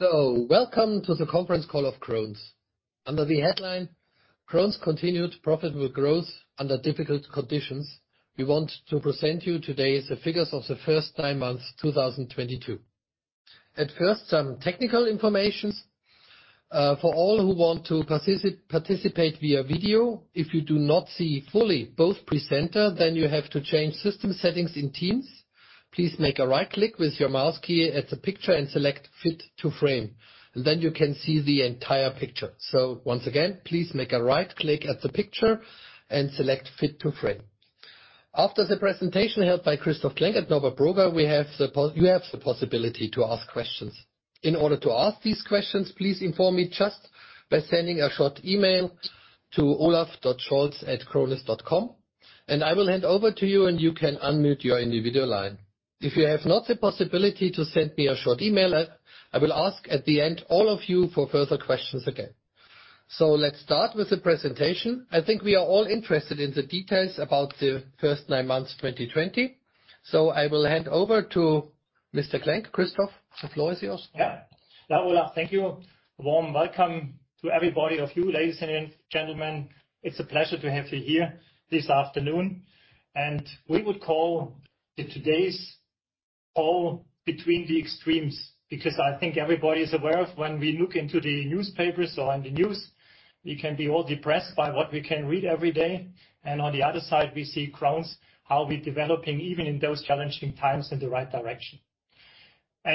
Welcome to the conference call of Krones. Under the headline, Krones continued profitable growth under difficult conditions. We want to present you today the figures of the first nine months, 2022. At first, some technical informations for all who want to participate via video, if you do not see fully both presenter, then you have to change system settings in Teams. Please make a right click with your mouse key at the picture and select Fit to Frame, and then you can see the entire picture. Once again, please make a right click at the picture and select Fit to Frame. After the presentation held by Christoph Klenk and Norbert Broger, you have the possibility to ask questions. In order to ask these questions, please inform me just by sending a short email to olaf.scholz@krones.com, and I will hand over to you and you can unmute your individual line. If you have not the possibility to send me a short email, I will ask at the end, all of you for further questions again. Let's start with the presentation. I think we are all interested in the details about the first nine months, 2020. I will hand over to Mr. Klenk. Christoph, the floor is yours. Yeah. Now, Olaf, thank you. A warm welcome to everybody of you, ladies and gentlemen. It's a pleasure to have you here this afternoon. We would call the today's call between the extremes, because I think everybody is aware of when we look into the newspapers or in the news, we can be all depressed by what we can read every day. On the other side, we see Krones, how we're developing even in those challenging times in the right direction.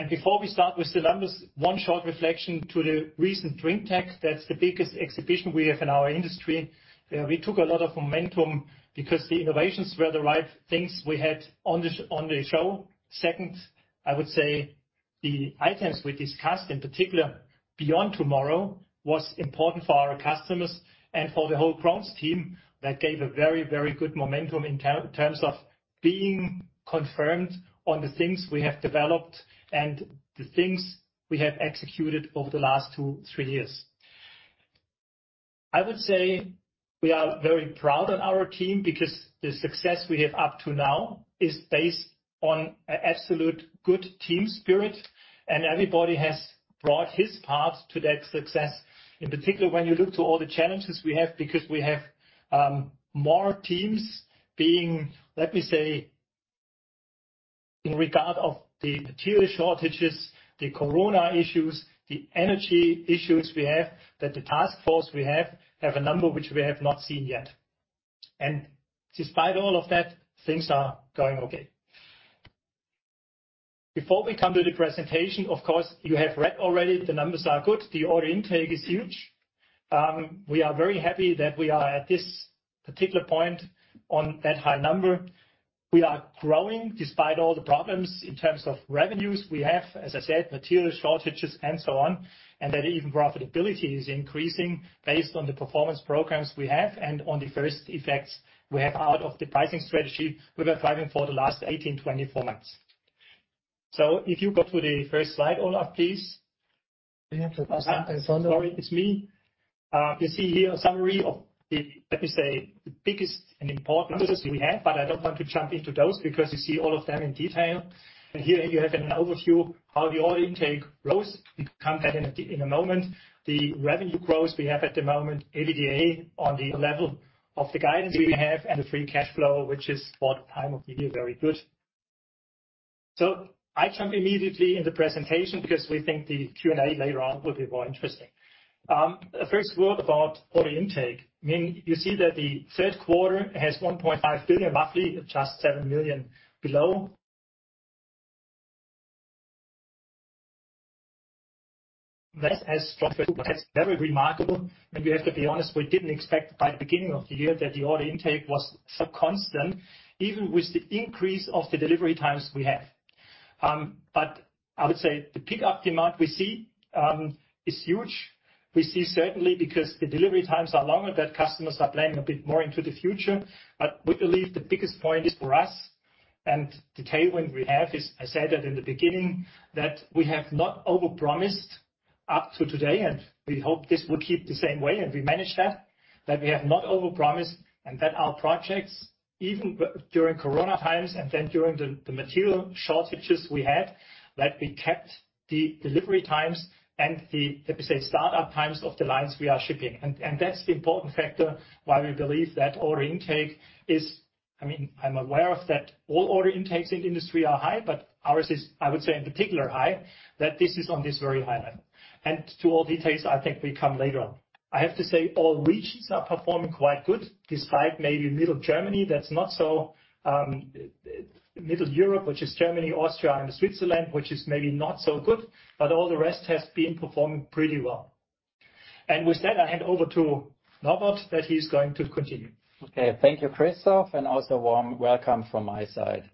Before we start with the numbers, one short reflection to the recent drinktec, that's the biggest exhibition we have in our industry. We took a lot of momentum because the innovations were the right things we had on the show. Second, I would say the items we discussed, in particular, beyond tomorrow, was important for our customers and for the whole Krones team that gave a very, very good momentum in terms of being confirmed on the things we have developed and the things we have executed over the last two, three years. I would say we are very proud of our team because the success we have up to now is based on an absolute good team spirit, and everybody has brought his part to that success. In particular, when you look to all the challenges we have, because we have more teams being, let me say, in regard of the material shortages, the COVID issues, the energy issues we have, that the task force we have have a number which we have not seen yet. Despite all of that, things are going okay. Before we come to the presentation, of course, you have read already. The numbers are good, the order intake is huge. We are very happy that we are at this particular point on that high number. We are growing despite all the problems in terms of revenues we have, as I said, material shortages and so on, and that even profitability is increasing based on the performance programs we have and on the first effects we have out of the pricing strategy we were driving for the last 18-24 months. If you go to the first slide, Olaf, please. Yeah. Sorry, it's me. You see here a summary of the, let me say, the biggest and important numbers we have, but I don't want to jump into those because you see all of them in detail. Here you have an overview how the order intake grows. We come back in a moment. The revenue growth we have at the moment, EBITDA on the level of the guidance we have and the free cash flow, which is for the time of the year very good. I jump immediately in the presentation because we think the Q&A later on will be more interesting. A first word about order intake, meaning you see that the Q3 has 1.5 billion, roughly just 7 million below. That has dropped. That's very remarkable. We have to be honest, we didn't expect by the beginning of the year that the order intake was so constant, even with the increase of the delivery times we have. I would say the pickup demand we see is huge. We see certainly because the delivery times are longer, that customers are planning a bit more into the future. We believe the biggest point is for us and the tailwind we have is, I said it in the beginning, that we have not overpromised up to today, and we hope this will keep the same way, and we manage that we have not overpromised and that our projects, even during COVID times and then during the material shortages we had, that we kept the delivery times and the, let me say, start-up times of the lines we are shipping. That's the important factor why we believe that order intake is. I mean, I'm aware of that all order intakes in industry are high, but ours is, I would say, in particular high, that this is on this very high level. To all details, I think we come later on. I have to say all regions are performing quite good, despite maybe middle Europe, which is Germany, Austria and Switzerland, which is maybe not so good, but all the rest has been performing pretty well. With that, I hand over to Norbert, that he's going to continue. Okay. Thank you, Christoph, and also warm welcome from my side.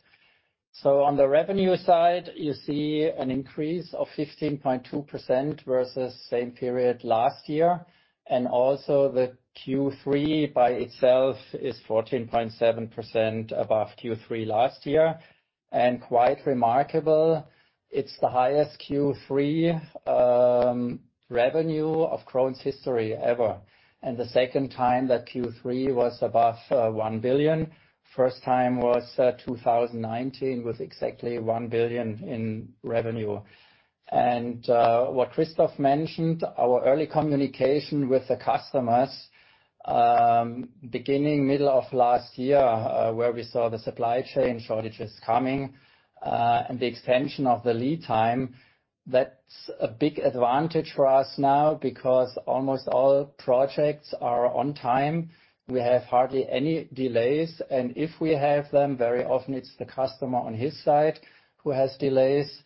On the revenue side, you see an increase of 15.2% versus same period last year. Also the Q3 by itself is 14.7% above Q3 last year. Quite remarkable, it's the highest Q3 revenue of Krones history ever. The second time that Q3 was above 1 billion. First time was 2019 with exactly 1 billion in revenue. What Christoph mentioned, our early communication with the customers, beginning middle of last year, where we saw the supply chain shortages coming, and the extension of the lead time. That's a big advantage for us now because almost all projects are on time. We have hardly any delays, and if we have them, very often it's the customer on his side who has delays.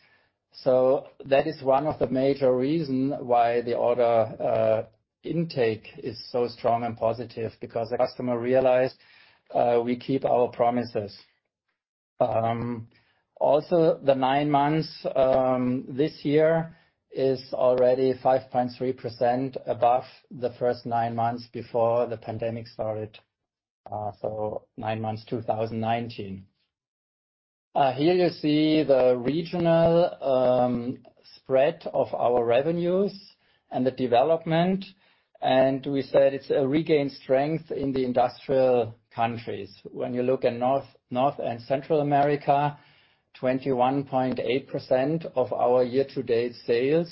That is one of the major reason why the order intake is so strong and positive, because the customer realized we keep our promises. Also the nine months this year is already 5.3% above the first nine months before the pandemic started, nine months, 2019. Here you see the regional spread of our revenues and the development, and we said it's a regained strength in the industrial countries. When you look at North and Central America, 21.8% of our year-to-date sales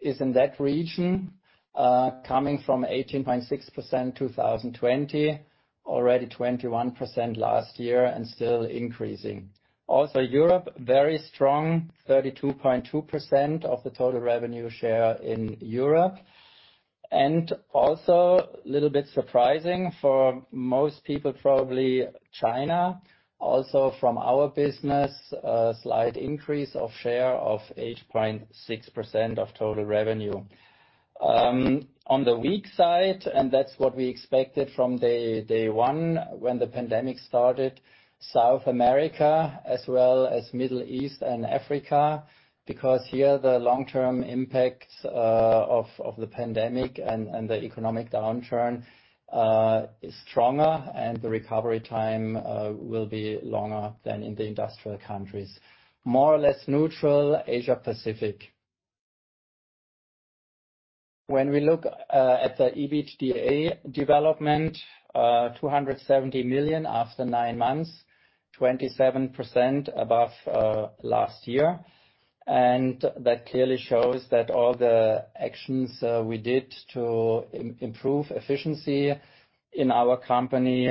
is in that region, coming from 18.6% in 2020, already 21% last year and still increasing. Also Europe, very strong, 32.2% of the total revenue share in Europe. Also a little bit surprising for most people, probably China, also from our business, a slight increase of share of 8.6% of total revenue. On the weak side, and that's what we expected from day one when the pandemic started, South America as well as Middle East and Africa. Because here, the long-term impact of the pandemic and the economic downturn is stronger and the recovery time will be longer than in the industrial countries. More or less neutral, Asia-Pacific. When we look at the EBITDA development, 270 million after nine months, 27% above last year. That clearly shows that all the actions we did to improve efficiency in our company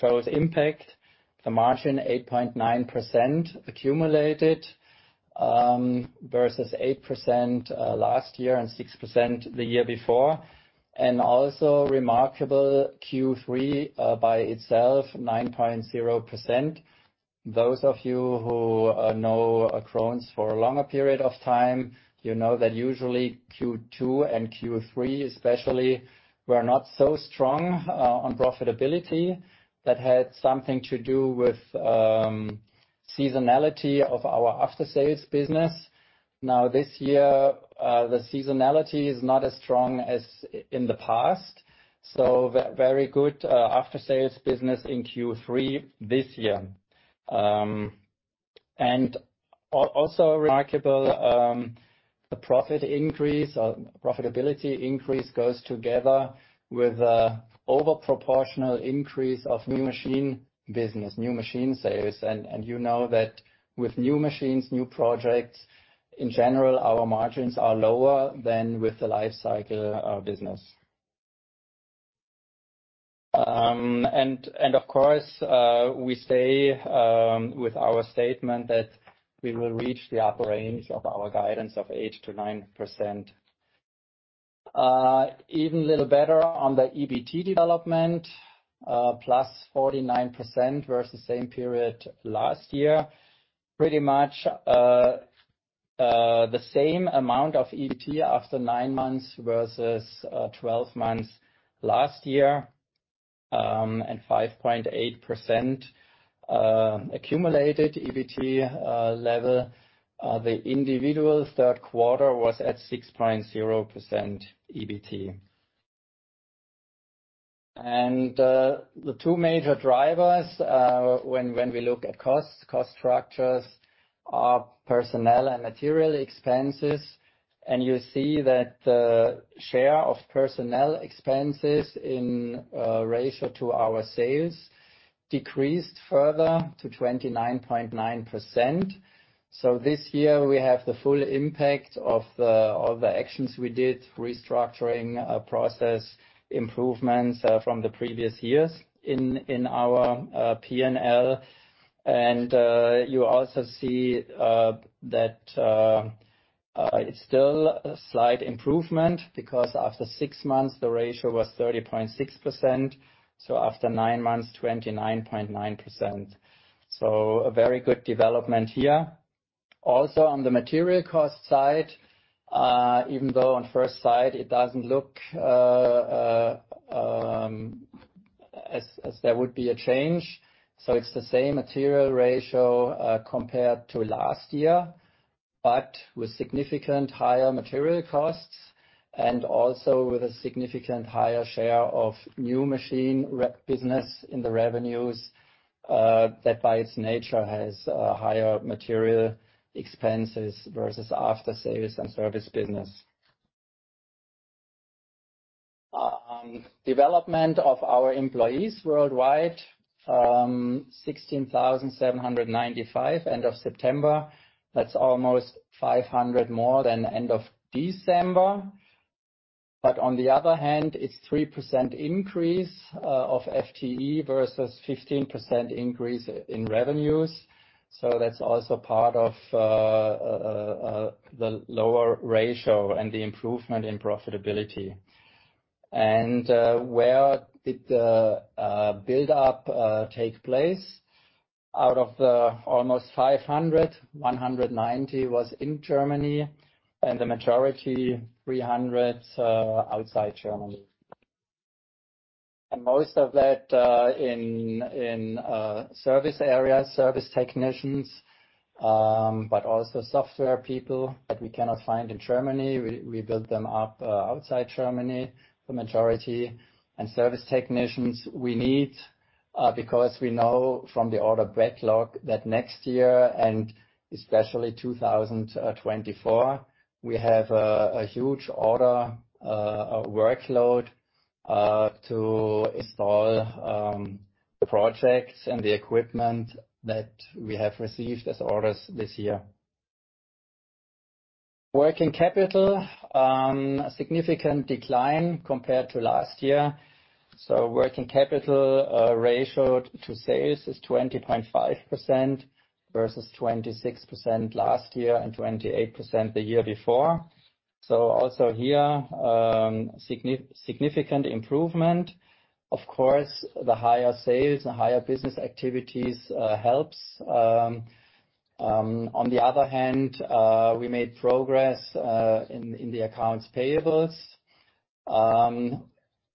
shows impact. The margin 8.9% accumulated versus 8% last year and 6% the year before. Also remarkable Q3 by itself, 9.0%. Those of you who know Krones for a longer period of time, you know that usually Q2 and Q3 especially were not so strong on profitability. That had something to do with seasonality of our after-sales business. Now this year, the seasonality is not as strong as in the past, so very good after-sales business in Q3 this year. Also remarkable, the profit increase or profitability increase goes together with a over proportional increase of new machine business, new machine sales. You know that with new machines, new projects, in general, our margins are lower than with the life cycle business. Of course, we stay with our statement that we will reach the upper range of our guidance of 8%-9%. Even a little better on the EBT development, +49% versus same period last year. Pretty much, the same amount of EBT after nine months versus, 12 months last year, and 5.8% accumulated EBT level. The individual Q3 was at 6.0% EBT. The two major drivers, when we look at costs, cost structures, are personnel and material expenses. You see that the share of personnel expenses in ratio to our sales decreased further to 29.9%. This year we have the full impact of the actions we did, restructuring, process improvements, from the previous years in our P&L. You also see that it's still a slight improvement because after nine months, the ratio was 30.6%. After nine months, 29.9%. A very good development here. Also on the material cost side, even though on first sight it doesn't look as there would be a change. It's the same material ratio compared to last year, but with significant higher material costs and also with a significant higher share of new machine business in the revenues, that by its nature has higher material expenses versus aftersales and service business. Development of our employees worldwide, 16,795 end of September. That's almost 500 more than end of December. On the other hand, it's 3% increase of FTE versus 15% increase in revenues. That's also part of the lower ratio and the improvement in profitability. Where did the build up take place? Out of the almost 500, 190 was in Germany and the majority, 300, outside Germany. Most of that in service areas, service technicians, but also software people that we cannot find in Germany. We build them up outside Germany, the majority. Service technicians we need because we know from the order backlog that next year, and especially 2024, we have a huge order workload to install the projects and the equipment that we have received as orders this year. Working capital, a significant decline compared to last year. Working capital ratio to sales is 20.5% versus 26% last year and 28% the year before. Also here, significant improvement. Of course, the higher sales, the higher business activities helps. On the other hand, we made progress in the accounts payable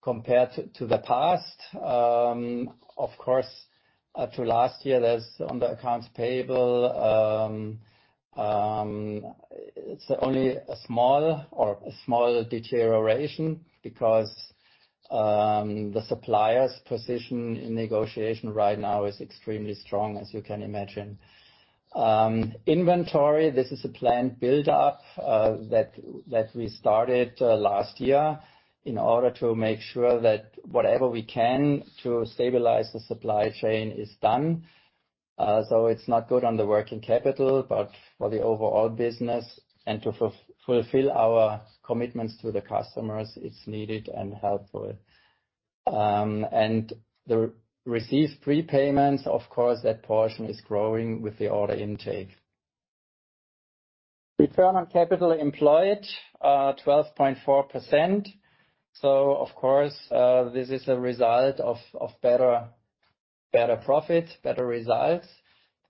compared to the past. Of course, compared to last year, there is only a small deterioration in the accounts payable because the supplier's position in negotiation right now is extremely strong, as you can imagine. Inventory, this is a planned build-up that we started last year in order to make sure that whatever we can to stabilize the supply chain is done. It's not good on the working capital, but for the overall business and to fulfill our commitments to the customers, it's needed and helpful. The received prepayments, of course, that portion is growing with the order intake. Return on capital employed 12.4%. Of course, this is a result of better profit, better results,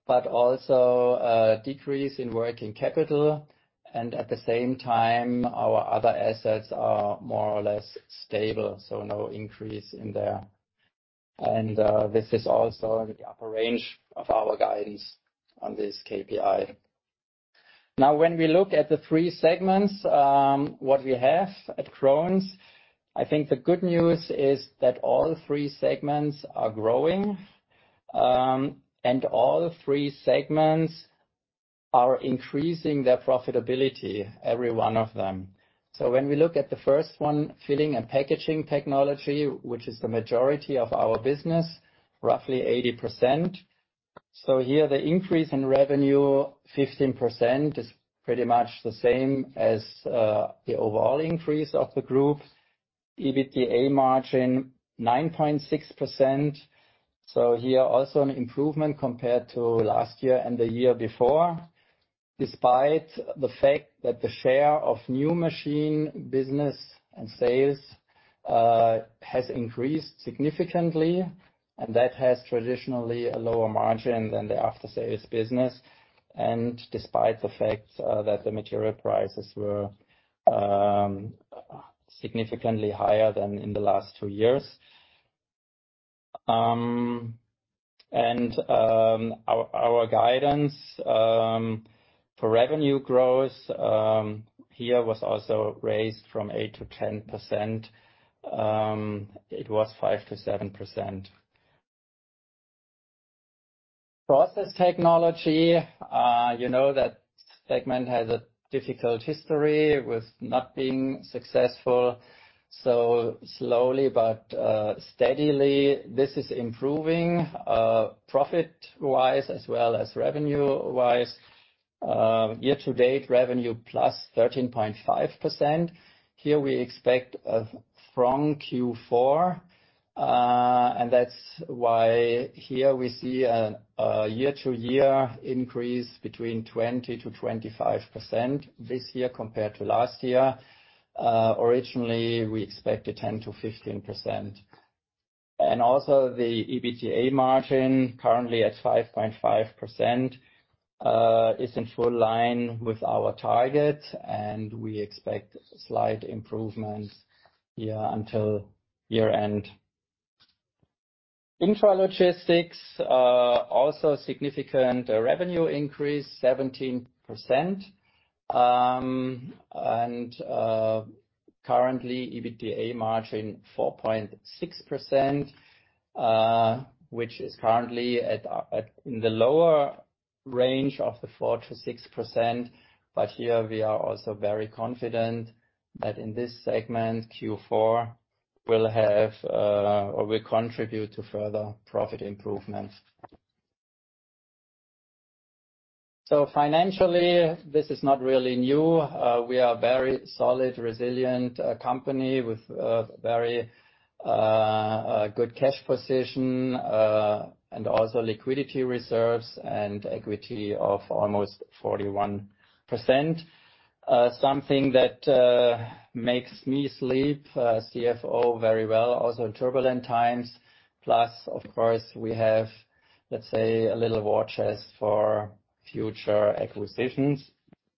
but also a decrease in working capital. At the same time, our other assets are more or less stable, so no increase in there. This is also in the upper range of our guidance on this KPI. Now when we look at the three segments what we have at Krones, I think the good news is that all three segments are growing and all three segments are increasing their profitability, every one of them. When we look at the first one, Filling and Packaging Technology, which is the majority of our business, roughly 80%. Here the increase in revenue, 15%, is pretty much the same as the overall increase of the group. EBITDA margin, 9.6%. Here also an improvement compared to last year and the year before, despite the fact that the share of new machine business and sales has increased significantly, and that has traditionally a lower margin than the after-sales business. Despite the fact that the material prices were significantly higher than in the last two years. Our guidance for revenue growth here was also raised from 8%-10%. It was 5%-7%. Process Technology, you know that segment has a difficult history with not being successful so slowly but steadily. This is improving profit-wise as well as revenue-wise. Year-to-date revenue plus 13.5%. Here we expect a strong Q4, and that's why here we see a year-to-year increase between 20%-25% this year compared to last year. Originally, we expected 10%-15%. The EBITDA margin, currently at 5.5%, is in line with our target, and we expect slight improvements here until year-end. Intralogistics, also significant revenue increase, 17%. Currently EBITDA margin 4.6%, which is currently in the lower range of the 4%-6%, but here we are also very confident that in this segment, Q4 will contribute to further profit improvements. Financially, this is not really new. We are a very solid, resilient company with a very good cash position and also liquidity reserves and equity of almost 41%. Something that makes me sleep, as CFO, very well, also in turbulent times. Plus, of course, we have, let's say, a little war chest for future acquisitions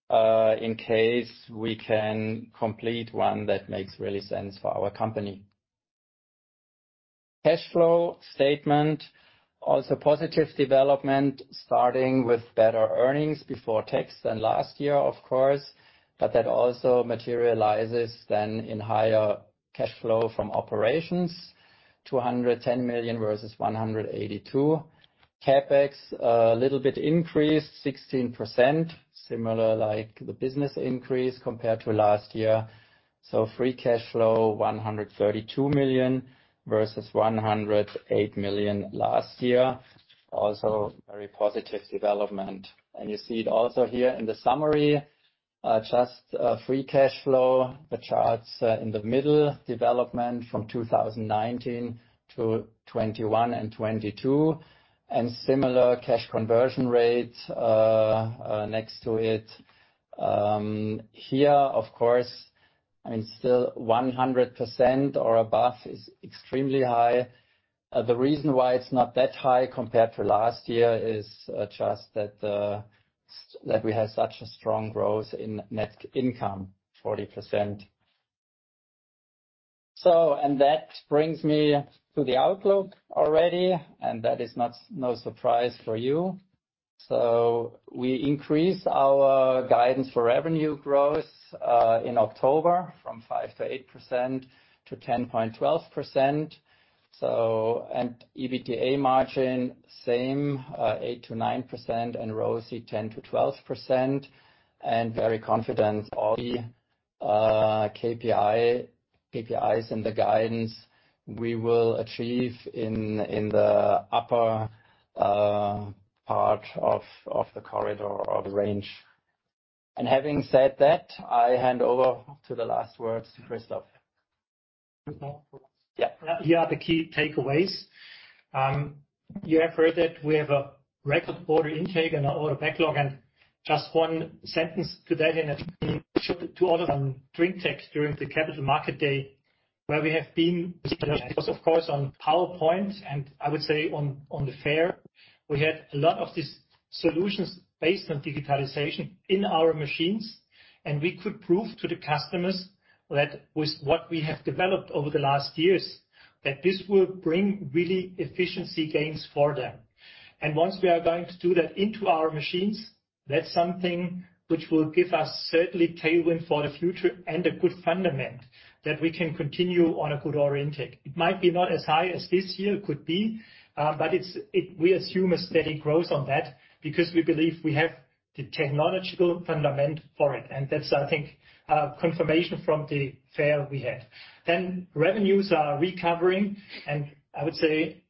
in case we can complete one that makes really sense for our company. Cash flow statement, also positive development, starting with better earnings before tax than last year, of course, but that also materializes then in higher cash flow from operations, 210 million versus 182 million. CapEx, a little bit increased, 16%, similar like the business increase compared to last year. Free cash flow, 132 million versus 108 million last year. Also, very positive development. You see it also here in the summary, just free cash flow. The charts in the middle, development from 2019 to 2021 and 2022. Similar cash conversion rate next to it. Here, of course, I mean, still 100% or above is extremely high. The reason why it's not that high compared to last year is just that we have such a strong growth in net income, 40%. That brings me to the outlook already, and that is no surprise for you. We increase our guidance for revenue growth in October from 5%-8% to 10%-12%. EBITDA margin, same, 8%-9% and ROCE 10%-12%. Very confident all the KPIs in the guidance we will achieve in the upper part of the corridor or the range. Having said that, I hand over to the last words to Christoph. Christoph? Yeah. Here are the key takeaways. You have heard that we have a record order intake and order backlog, and just one sentence today on drinktec during the Capital Market Day, where we have been, of course, on PowerPoint, and I would say on the fair, we had a lot of these solutions based on digitalization in our machines, and we could prove to the customers that with what we have developed over the last years, that this will bring really efficiency gains for them. Once we are going to do that into our machines, that's something which will give us certainly tailwind for the future and a good fundament that we can continue on a good order intake. It might not be as high as this year could be, but we assume a steady growth on that because we believe we have the technological foundation for it, and that's, I think, confirmation from the fair we had. Revenues are recovering, and I would say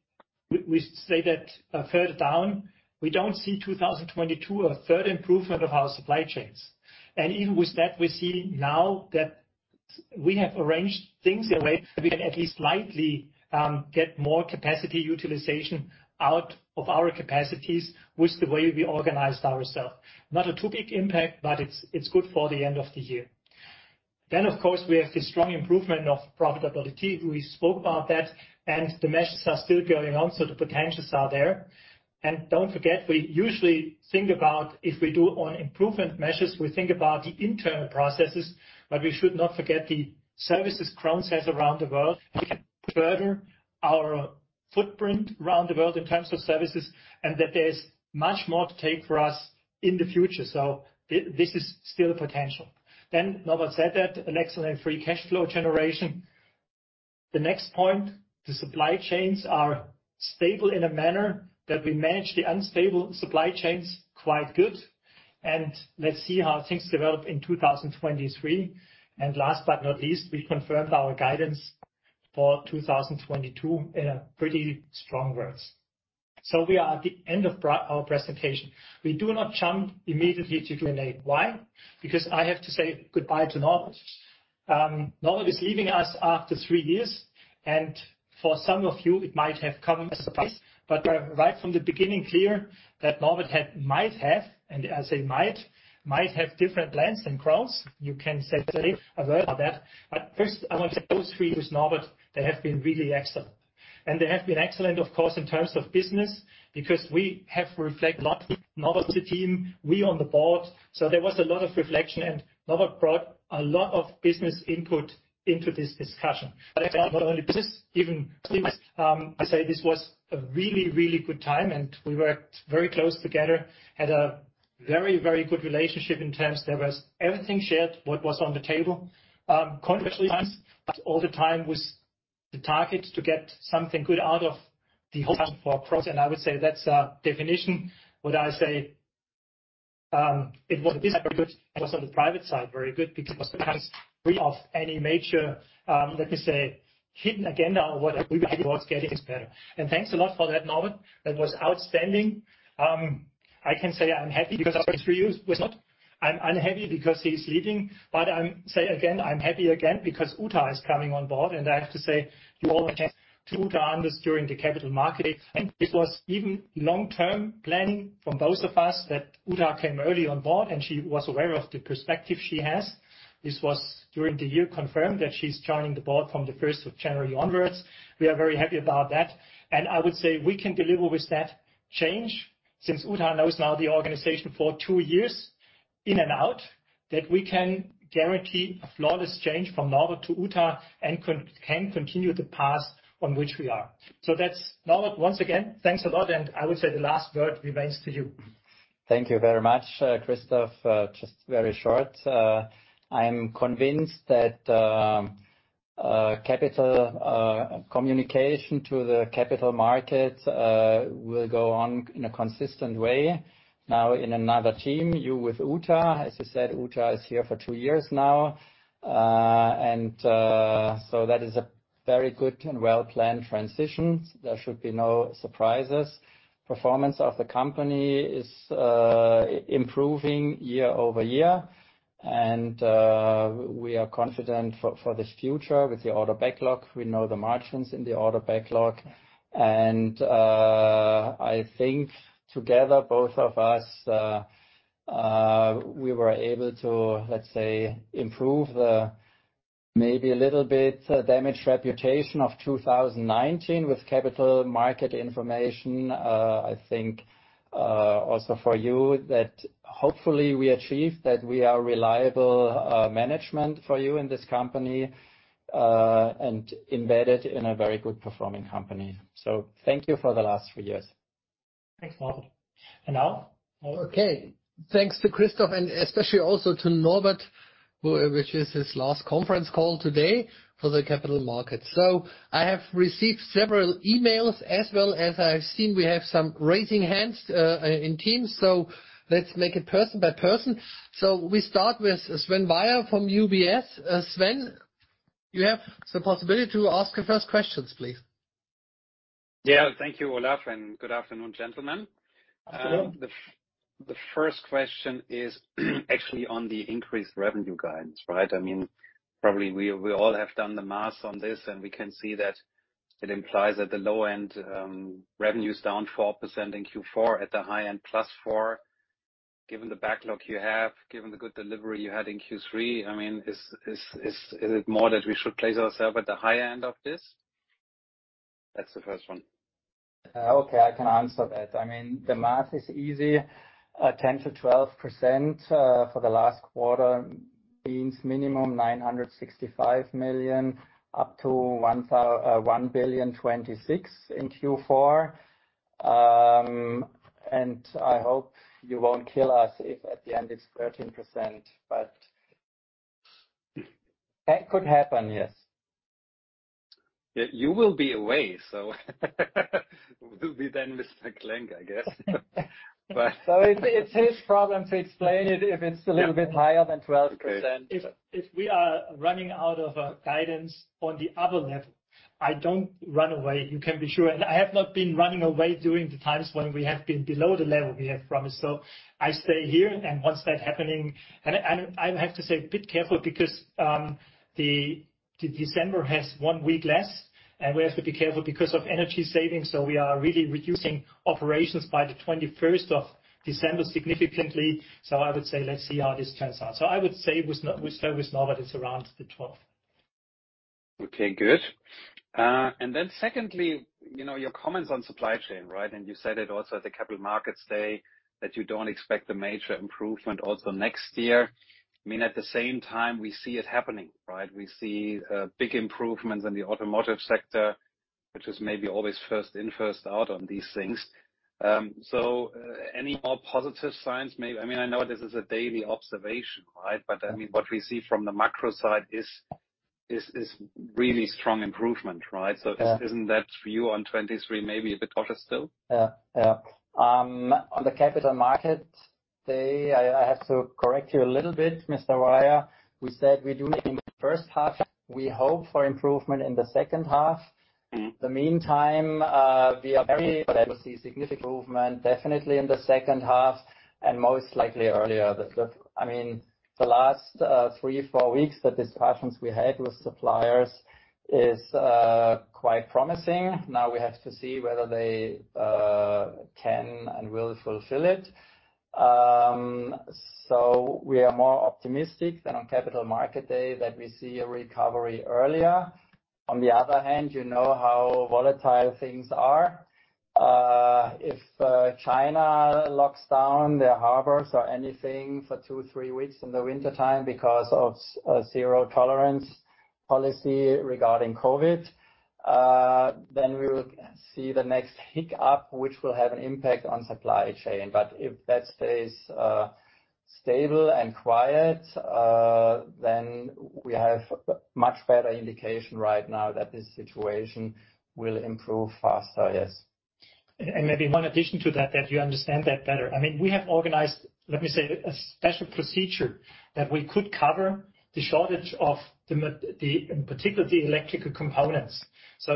we say that further down, we don't see 2022 a third improvement of our supply chains. Even with that, we see now that we have arranged things in a way that we can at least slightly get more capacity utilization out of our capacities with the way we organized ourselves. Not a too big impact, but it's good for the end of the year. Of course, we have the strong improvement of profitability. We spoke about that and the measures are still going on, so the potentials are there. Don't forget, we usually think about if we do on improvement measures, we think about the internal processes, but we should not forget the services Krones has around the world. We can further our footprint around the world in terms of services, and that there's much more to take for us in the future. This is still a potential. Norbert said that an excellent free cash flow generation. The next point, the supply chains are stable in a manner that we manage the unstable supply chains quite good. Let's see how things develop in 2023. Last but not least, we confirmed our guidance for 2022 in pretty strong words. We are at the end of our presentation. We do not jump immediately to Q&A. Why? Because I have to say goodbye to Norbert. Norbert is leaving us after three years, and for some of you, it might have come as a surprise. Right from the beginning, clear that Norbert might have different plans than Krones. You can certainly be aware of that. First, I want to say those three with Norbert, they have been really excellent. They have been excellent, of course, in terms of business, because we have reflected a lot with Norbert, the team, we on the board. There was a lot of reflection, and Norbert brought a lot of business input into this discussion. Not only business, even I say this was a really good time, and we worked very close together, had a very good relationship in terms there was everything shared what was on the table, controversial times, but all the time was the target to get something good out of the whole time for Krones. And I would say that's a definition. I would say it was very good and also the private side very good because it was free of any major, let me say, hidden agenda or what everybody was getting is better. And thanks a lot for that, Norbert. That was outstanding. I can say I'm happy because for you was not. I'm happy because he's leaving, but I say again, I'm happy again because Uta is coming on board. I have to say, you all, thanks to Uta during the Capital Market. This was even long-term planning from both of us that Uta came early on board, and she was aware of the prospects she has. This was during the year confirmed that she's joining the board from the first of January onward. We are very happy about that. I would say we can deliver with that change since Uta knows now the organization for two years in and out, that we can guarantee a flawless change from Norbert to Uta and can continue the path on which we are. That's, Norbert, once again, thanks a lot, and I would say the last word remains to you. Thank you very much, Christoph. Just very short. I'm convinced that capital communication to the capital markets will go on in a consistent way now in another team, you with Uta. As you said, Uta is here for two years now. That is a very good and well-planned transition. There should be no surprises. Performance of the company is improving year-over-year, and we are confident for this future with the order backlog. We know the margins in the order backlog. I think together, both of us, we were able to, let's say, improve the maybe a little bit damaged reputation of 2019 with capital market information. I think also for you that hopefully we achieve that we are reliable management for you in this company and embedded in a very good performing company. Thank you for the last three years. Thanks, Norbert. Now, Olaf. Okay. Thanks to Christoph Klenk and especially also to Norbert Broger, which is his last conference call today for the Capital Markets Day. I have received several emails as well as I've seen we have some raising hands in Teams. Let's make it person by person. We start with Sven Weyers from UBS. Sven, you have the possibility to ask your first questions, please. Yeah. Thank you, Olaf, and good afternoon, gentlemen. Afternoon. The first question is actually on the increased revenue guidance, right? I mean, probably we all have done the math on this, and we can see that it implies at the low end, revenue's down 4% in Q4, at the high end, +4%. Given the backlog you have, given the good delivery you had in Q3, I mean, is it more that we should place ourselves at the higher end of this? That's the first one. Okay, I can answer that. I mean, the math is easy. 10%-12% for the last quarter means minimum 965 million up to 1.026 billion in Q4. I hope you won't kill us if at the end it's 13%. That could happen, yes. You will be away, so we'll be then Christoph Klenk, I guess. It's his problem to explain it if it's a little bit higher than 12%. Okay. If we are running out of guidance on the other level, I don't run away, you can be sure. I have not been running away during the times when we have been below the level we have promised. I stay here. What's happening? I have to be a bit careful because this December has one week less, and we have to be careful because of energy savings, so we are really reducing operations by the twenty-first of December significantly. I would say, let's see how this turns out. I would say with Norbert it's around the twelfth. Okay, good. Secondly your comments on supply chain, right? You said it also at the Capital Market Day that you don't expect a major improvement also next year. I mean, at the same time, we see it happening, right? We see big improvements in the automotive sector, which is maybe always first in, first out on these things. Any more positive signs. I mean, I know this is a daily observation, right? I mean, what we see from the macro side is really strong improvement, right? Yeah. Isn't that view on 2023 maybe a bit cautious still? Yeah. On the Capital Market Day, I have to correct you a little bit, Mr. Weyers. We said we do make in the H1. We hope for improvement in the H2. Mm-hmm. the meantime, I will see significant improvement definitely in the Q2 and most likely earlier. The last three-four weeks, the discussions we had with suppliers is quite promising. Now we have to see whether they can and will fulfill it. We are more optimistic than on Capital Market Day that we see a recovery earlier. On the other hand how volatile things are. If China locks down their harbors or anything for two-three weeks in the wintertime because of zero tolerance policy regarding COVID, then we will see the next hiccup, which will have an impact on supply chain. If that stays stable and quiet, then we have a much better indication right now that this situation will improve faster. Yes. Maybe one addition to that you understand that better. I mean, we have organized, let me say, a special procedure that we could cover the shortage of the, in particular, the electrical components.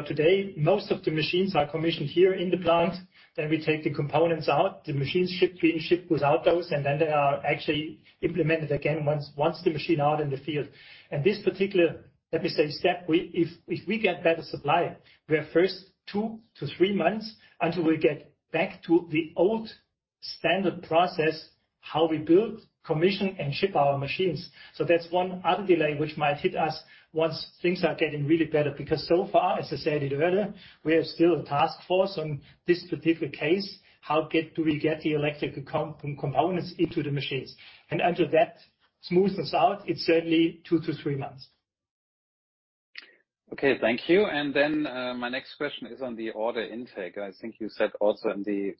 Today, most of the machines are commissioned here in the plant. Then we take the components out, the machine being shipped without those, and then they are actually implemented again once the machine out in the field. This particular, let me say, step. If we get better supply, we are first two-three months until we get back to the old standard process, how we build, commission, and ship our machines. That's one other delay which might hit us once things are getting really better. Because so far, as I said it earlier, we are still a task force on this specific case. Do we get the electrical components into the machines? Until that smoothens out, it's certainly two-three months. Okay, thank you. My next question is on the order intake. I think you said also in the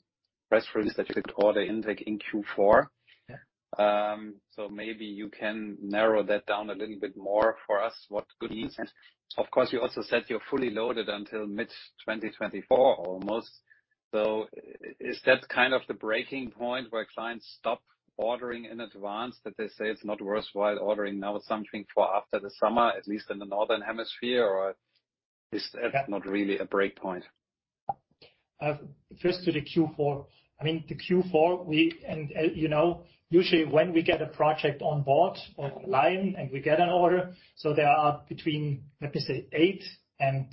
press release that you took order intake in Q4. Yeah. Maybe you can narrow that down a little bit more for us. What good means. Of course, you also said you're fully loaded until mid-2024 almost. Is that kind of the breaking point where clients stop ordering in advance, that they say it's not worthwhile ordering now something for after the summer, at least in the northern hemisphere? Or is that not really a break point? First to the Q4. I mean, the Q4, we usually when we get a project on board or a line and we get an order, there are between, let me say, eight and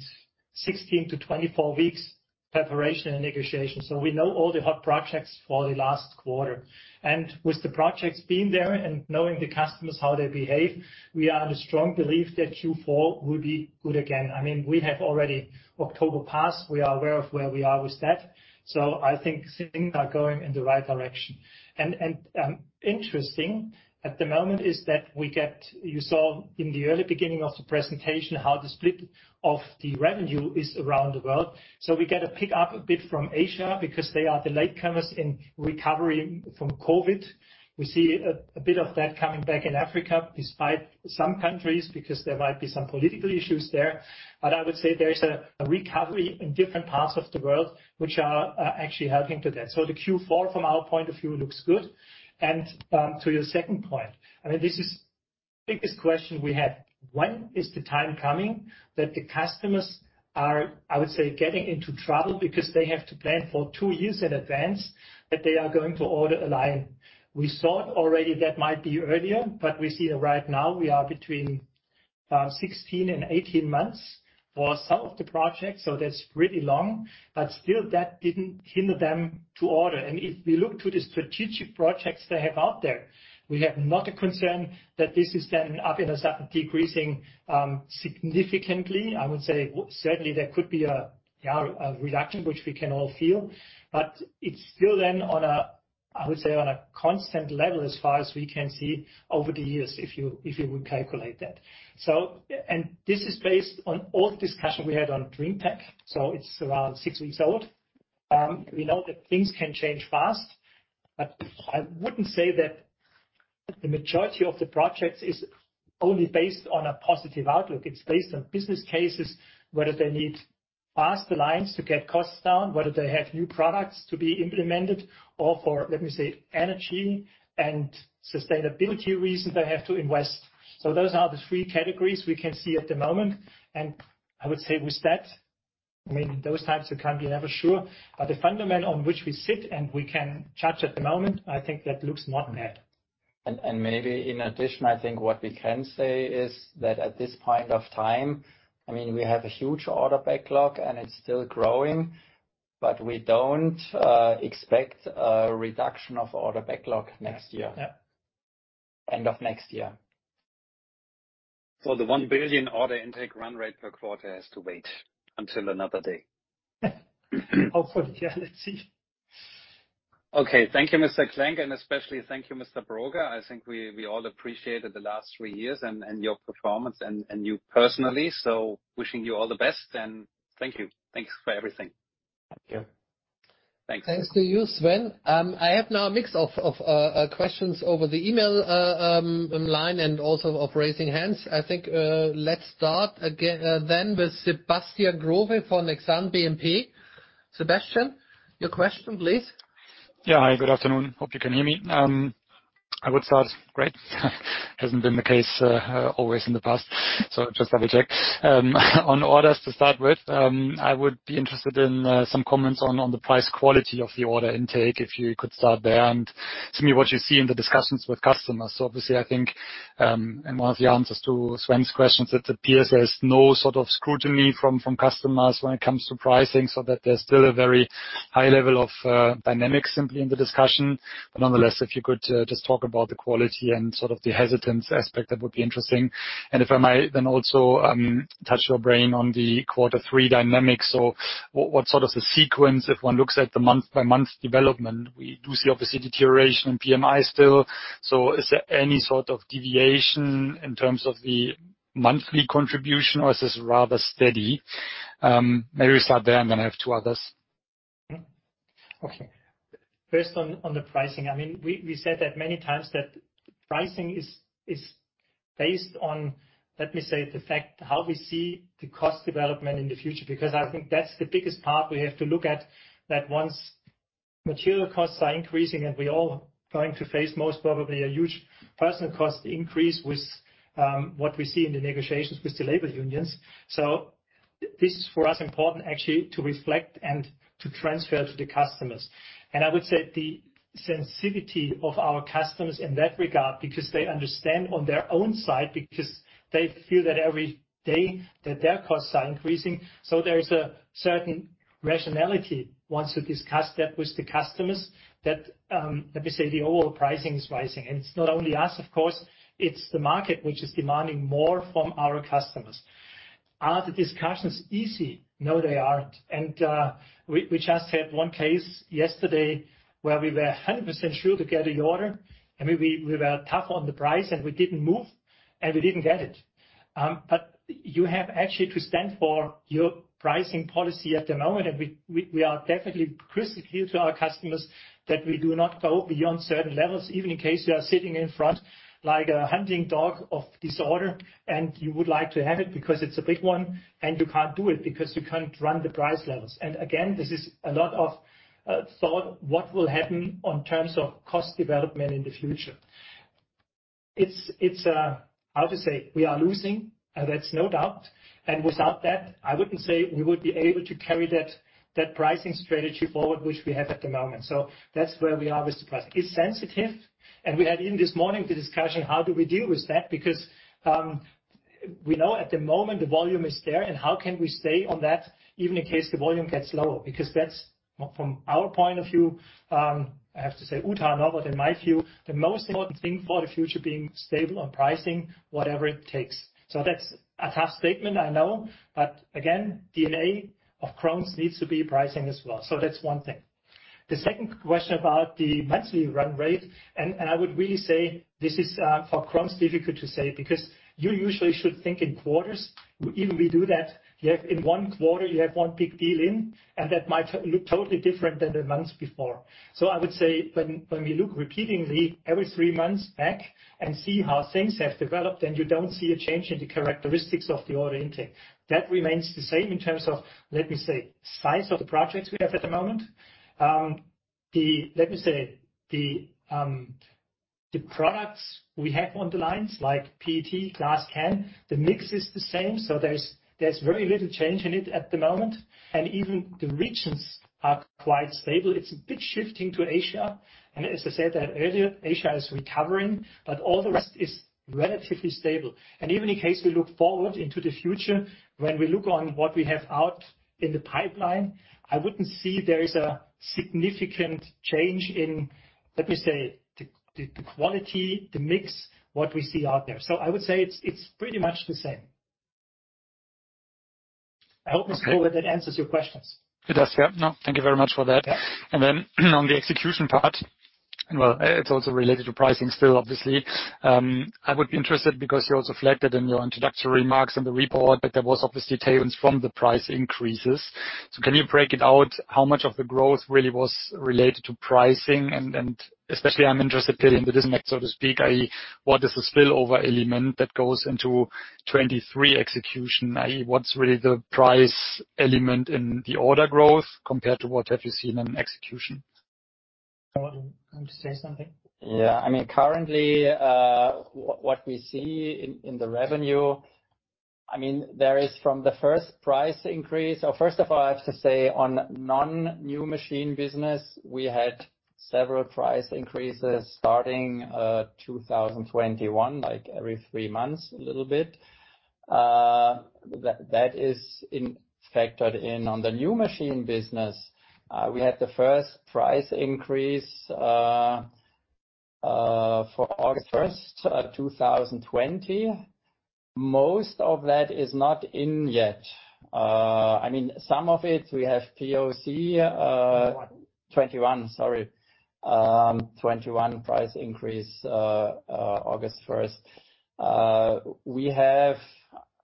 16 to 24 weeks preparation and negotiation. We know all the hot projects for the last quarter. With the projects being there and knowing the customers how they behave, we are under strong belief that Q4 will be good again. I mean, we have already October passed. We are aware of where we are with that. I think things are going in the right direction. Interesting at the moment is that we get. You saw in the early beginning of the presentation how the split of the revenue is around the world. We get a pick-up a bit from Asia because they are the latecomers in recovering from COVID. We see a bit of that coming back in Africa, despite some countries, because there might be some political issues there. I would say there is a recovery in different parts of the world which are actually helping to that. The Q4 from our point of view looks good. To your second point. I mean, this is the biggest question we have. When is the time coming that the customers are, I would say, getting into trouble because they have to plan for two years in advance that they are going to order a line. We thought already that might be earlier, but we see that right now we are between 16 and 18 months for some of the projects, so that's really long. Still, that didn't hinder them to order. If we look to the strategic projects they have out there, we have not a concern that this is then up in a sudden decreasing significantly. I would say certainly there could be a, yeah, a reduction, which we can all feel. It's still then on a, I would say, on a constant level as far as we can see over the years, if you would calculate that. And this is based on all the discussion we had on drinktec, so it's around six weeks old. We know that things can change fast, but I wouldn't say that the majority of the projects is only based on a positive outlook. It's based on business cases, whether they need faster lines to get costs down, whether they have new products to be implemented or for, let me say, energy and sustainability reasons they have to invest. Those are the three categories we can see at the moment. I would say with that, I mean, those types, you can't be never sure. The fundamental on which we sit and we can judge at the moment, I think that looks not bad. Maybe in addition, I think what we can say is that at this point of time, I mean, we have a huge order backlog and it's still growing, but we don't expect a reduction of order backlog next year. Yeah. End of next year. 1 billion order intake run rate per quarter has to wait until another day. Hopefully. Yeah. Let's see. Okay. Thank you, Christoph Klenk, and especially thank you, Mr. Broger. I think we all appreciated the last three years and your performance and you personally. Wishing you all the best, and thank you. Thanks for everything. Thank you. Thanks. Thanks to you, Sven. I have now a mix of questions over the email line and also of raising hands. I think, let's start then with Sebastian Growe from Exane BNP. Sebastian, your question, please. Yeah. Hi, good afternoon. Hope you can hear me. I would start. Great. Hasn't been the case always in the past, so just double-check. On orders to start with, I would be interested in some comments on the price quality of the order intake, if you could start there, and tell me what you see in the discussions with customers. Obviously, I think, and one of the answers to Sven's questions, it appears there's no sort of scrutiny from customers when it comes to pricing, so that there's still a very high level of dynamics simply in the discussion. But nonetheless, if you could just talk about the quality and sort of the hesitance aspect, that would be interesting. If I may then also pick your brain on the Q3 dynamics or what sort of the sequence if one looks at the month-by-month development. We do see obviously deterioration in PMI still. Is there any sort of deviation in terms of the monthly contribution or is this rather steady? Maybe start there, then I have two others. Okay. First on the pricing. I mean, we said that many times that pricing is based on, let me say, the fact how we see the cost development in the future, because I think that's the biggest part we have to look at, that once material costs are increasing and we're all going to face most probably a huge personnel cost increase with what we see in the negotiations with the labor unions. This is for us important actually to reflect and to transfer to the customers. I would say the sensitivity of our customers in that regard, because they understand on their own side, because they feel that every day that their costs are increasing. There is a certain rationality once you discuss that with the customers that, let me say the overall pricing is rising. It's not only us, of course, it's the market which is demanding more from our customers. Are the discussions easy? No, they aren't. We just had one case yesterday where we were 100% sure to get the order, and we were tough on the price and we didn't move, and we didn't get it. You have actually to stand for your pricing policy at the moment. We are definitely crystal clear to our customers that we do not go beyond certain levels, even in case they are sitting in front like a hunting dog of this order, and you would like to have it because it's a big one, and you can't do it because you can't run the price levels. Again, this is a lot of thought what will happen in terms of cost development in the future. It's how to say? We are losing, that's no doubt. Without that, I wouldn't say we would be able to carry that pricing strategy forward which we have at the moment. That's where we are with the pricing. It's sensitive, and we had even this morning the discussion, how do we deal with that? Because we know at the moment the volume is there, and how can we stay on that even in case the volume gets lower? Because that's, from our point of view, I have to say, Uta and Norbert and my view, the most important thing for the future being stable on pricing, whatever it takes. That's a tough statement, I know. Again, DNA of Krones needs to be pricing as well. That's one thing. The second question about the monthly run rate, I would really say this is for Krones difficult to say because you usually should think in quarters. Even we do that. In one quarter, you have one big deal in, and that might look totally different than the months before. I would say when we look repeatedly every three months back and see how things have developed and you don't see a change in the characteristics of the order intake, that remains the same in terms of, let me say, size of the projects we have at the moment. Let me say, the products we have on the lines like PET, glass can, the mix is the same. There's very little change in it at the moment. Even the regions are quite stable. It's a bit shifting to Asia. As I said earlier, Asia is recovering, but all the rest is relatively stable. Even in case we look forward into the future, when we look on what we have out in the pipeline, I wouldn't see there is a significant change in, let me say, the quality, the mix, what we see out there. I would say it's pretty much the same. I hope, Sebastian Growe, that answers your questions. It does, yeah. No, thank you very much for that. Yeah. On the execution part, well, it's also related to pricing still, obviously. I would be interested because you also reflected in your introductory remarks in the report that there was obviously tailwinds from the price increases. Can you break it out how much of the growth really was related to pricing? And especially I'm interested a bit in the disconnect, so to speak. What is the spillover element that goes into 2023 execution? What's really the price element in the order growth compared to what have you seen on execution? Norbert, you want to say something? Yeah. I mean, currently, what we see in the revenue, I mean, there is from the first price increase. Or first of all, I have to say on non-new machine business, we had several price increases starting 2021, like every three months, a little bit. That is factored in. On the new machine business, we had the first price increase for August first, 2020. Most of that is not in yet. I mean, some of it we have POC. Twenty-one. 2021 price increase, August first. We have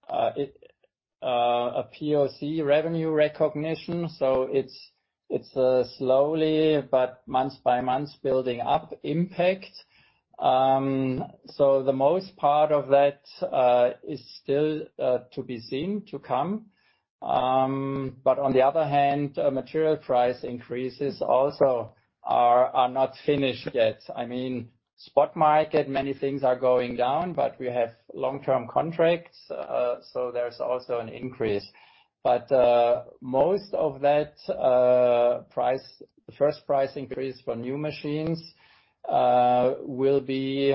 a POC revenue recognition, so it's slowly but month-by-month building up impact. The most part of that is still to be seen, to come. On the other hand, material price increases also are not finished yet. I mean, spot market, many things are going down, but we have long-term contracts, so there's also an increase. Most of that first price increase for new machines we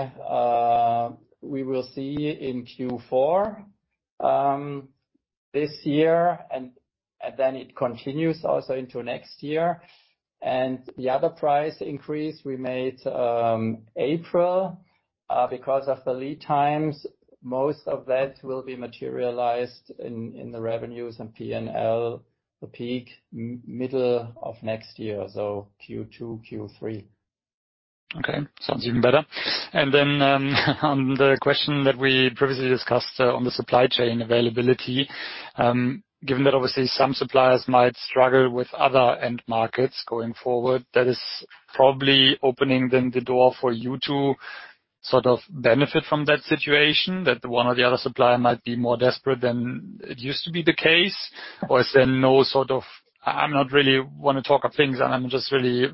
will see in Q4 this year, and then it continues also into next year. The other price increase we made April because of the lead times, most of that will be materialized in the revenues and P&L, the peak middle of next year. Q2, Q3. Okay, sounds even better. On the question that we previously discussed, on the supply chain availability, given that obviously some suppliers might struggle with other end markets going forward, that is probably opening then the door for you to sort of benefit from that situation, that one or the other supplier might be more desperate than it used to be the case. I'm not really wanna talk up things, and I'm just really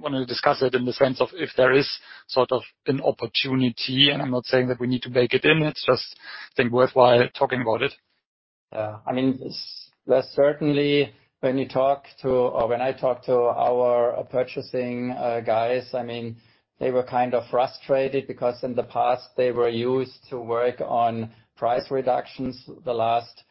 wanna discuss it in the sense of if there is sort of an opportunity, and I'm not saying that we need to bake it in. It's just, I think worthwhile talking about it. Yeah. I mean, less certainly when you talk to or when I talk to our purchasing guys, I mean, they were kind of frustrated because in the past, they were used to work on price reductions. The last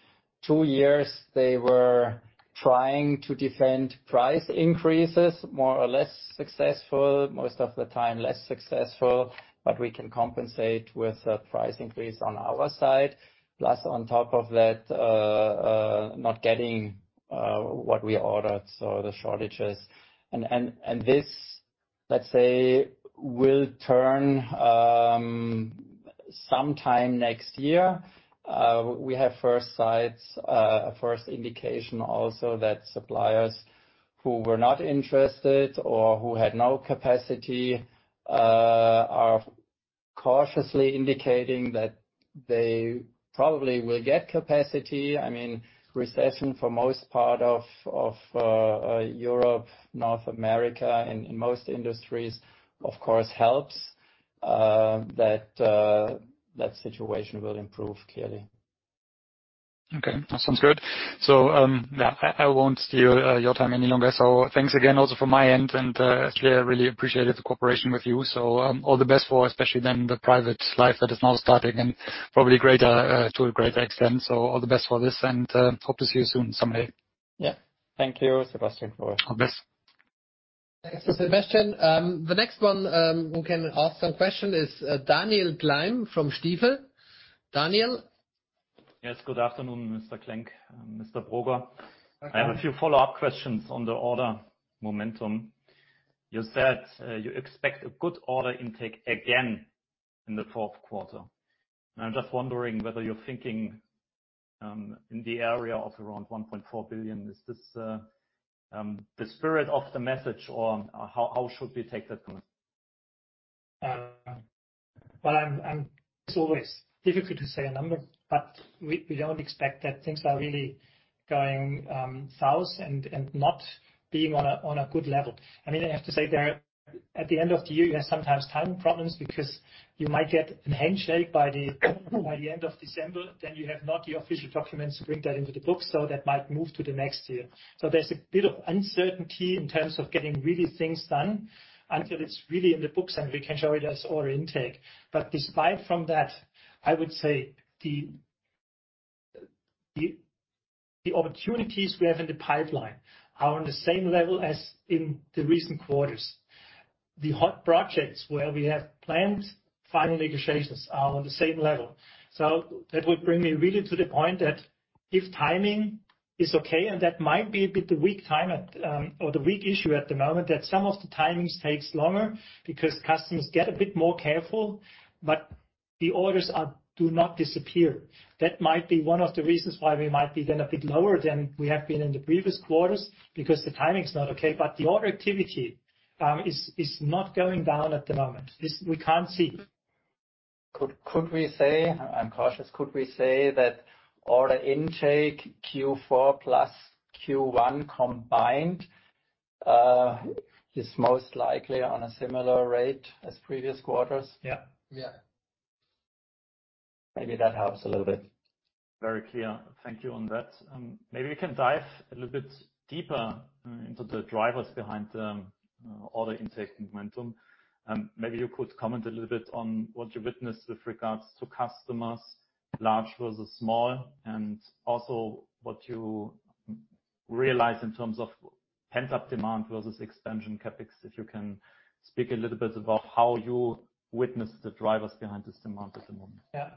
two years, they were trying to defend price increases, more or less successful, most of the time less successful. We can compensate with a price increase on our side. Plus, on top of that, not getting what we ordered, so the shortages. This, let's say, will turn sometime next year. We have first signs, first indication also that suppliers who were not interested or who had no capacity are cautiously indicating that they probably will get capacity. I mean, recession for most part of Europe, North America, and in most industries, of course, helps that situation will improve, clearly. Okay. That sounds good. Yeah, I won't steal your time any longer. Thanks again also from my end, and actually, I really appreciated the cooperation with you. All the best for especially then the private life that is now starting and probably greater to a greater extent. All the best for this, and hope to see you soon someday. Yeah. Thank you, Sebastian, for all. All the best. Thanks, Sebastian. The next one, who can ask a question is, Daniel Gleim from Stifel. Daniel? Yes. Good afternoon, Christoph Klenk and Norbert Broger. Okay. I have a few follow-up questions on the order momentum. You said you expect a good order intake again in the Q4. I'm just wondering whether you're thinking in the area of around 1.4 billion. Is this the spirit of the message, or how should we take that one? It's always difficult to say a number, but we don't expect that things are really going south and not being on a good level. I mean, I have to say, at the end of the year, you have sometimes timing problems because you might get a handshake by the end of December, then you have not the official documents to bring that into the books, so that might move to the next year. There's a bit of uncertainty in terms of getting things really done until it's really in the books, and we can show it as order intake. But apart from that, I would say the opportunities we have in the pipeline are on the same level as in the recent quarters. The hot projects where we have planned final negotiations are on the same level. That would bring me really to the point that if timing is okay, and that might be a bit the weak issue at the moment, that some of the timings takes longer because customers get a bit more careful, but the orders do not disappear. That might be one of the reasons why we might be then a bit lower than we have been in the previous quarters because the timing's not okay. The order activity is not going down at the moment. This we can't see. I'm cautious. Could we say that order intake Q4 plus Q1 combined is most likely on a similar rate as previous quarters? Yeah. Yeah. Maybe that helps a little bit. Very clear. Thank you for that. Maybe we can dive a little bit deeper into the drivers behind the order intake momentum. Maybe you could comment a little bit on what you witnessed with regards to customers, large versus small, and also what you realize in terms of pent-up demand versus expansion CapEx. If you can speak a little bit about how you witness the drivers behind this demand at the moment. Yeah.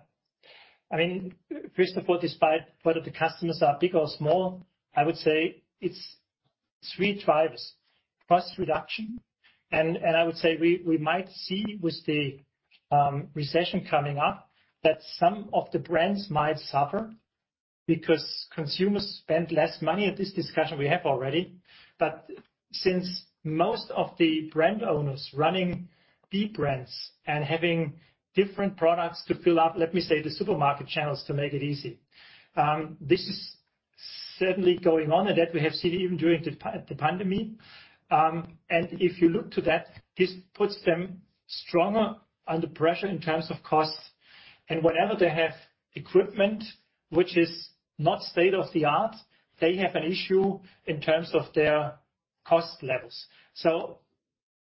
I mean, first of all, despite whether the customers are big or small, I would say it's three drivers. Cost reduction, and I would say we might see with the recession coming up that some of the brands might suffer because consumers spend less money, and this discussion we have already. But since most of the brand owners running deep brands and having different products to fill up, let me say, the supermarket channels to make it easy, this is certainly going on, and that we have seen even during the pandemic. If you look to that, this puts them stronger under pressure in terms of costs. Wherever they have equipment which is not state-of-the-art, they have an issue in terms of their cost levels.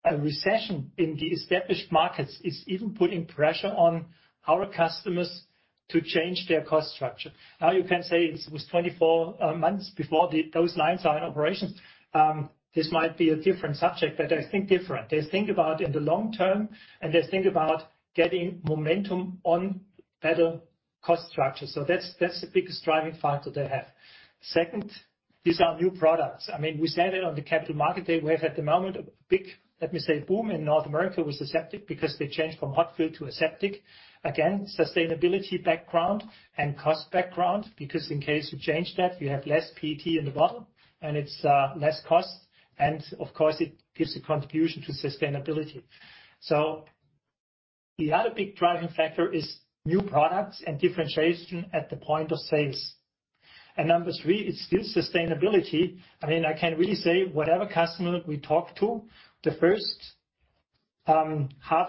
A recession in the established markets is even putting pressure on our customers to change their cost structure. Now, you can say it was 24 months before those lines are in operations. This might be a different subject, but they think different. They think about in the long term, and they think about getting momentum on better cost structure. That's the biggest driving factor they have. Second, these are new products. I mean, we said it on the Capital Market Day. We have at the moment a big, let me say, boom in North America with aseptic because they changed from hot fill to aseptic. Again, sustainability background and cost background, because in case you change that, you have less PET in the bottle and it's less cost. Of course, it gives a contribution to sustainability. The other big driving factor is new products and differentiation at the point of sales. Number three, it's still sustainability. I mean, I can really say whatever customer we talk to, the H1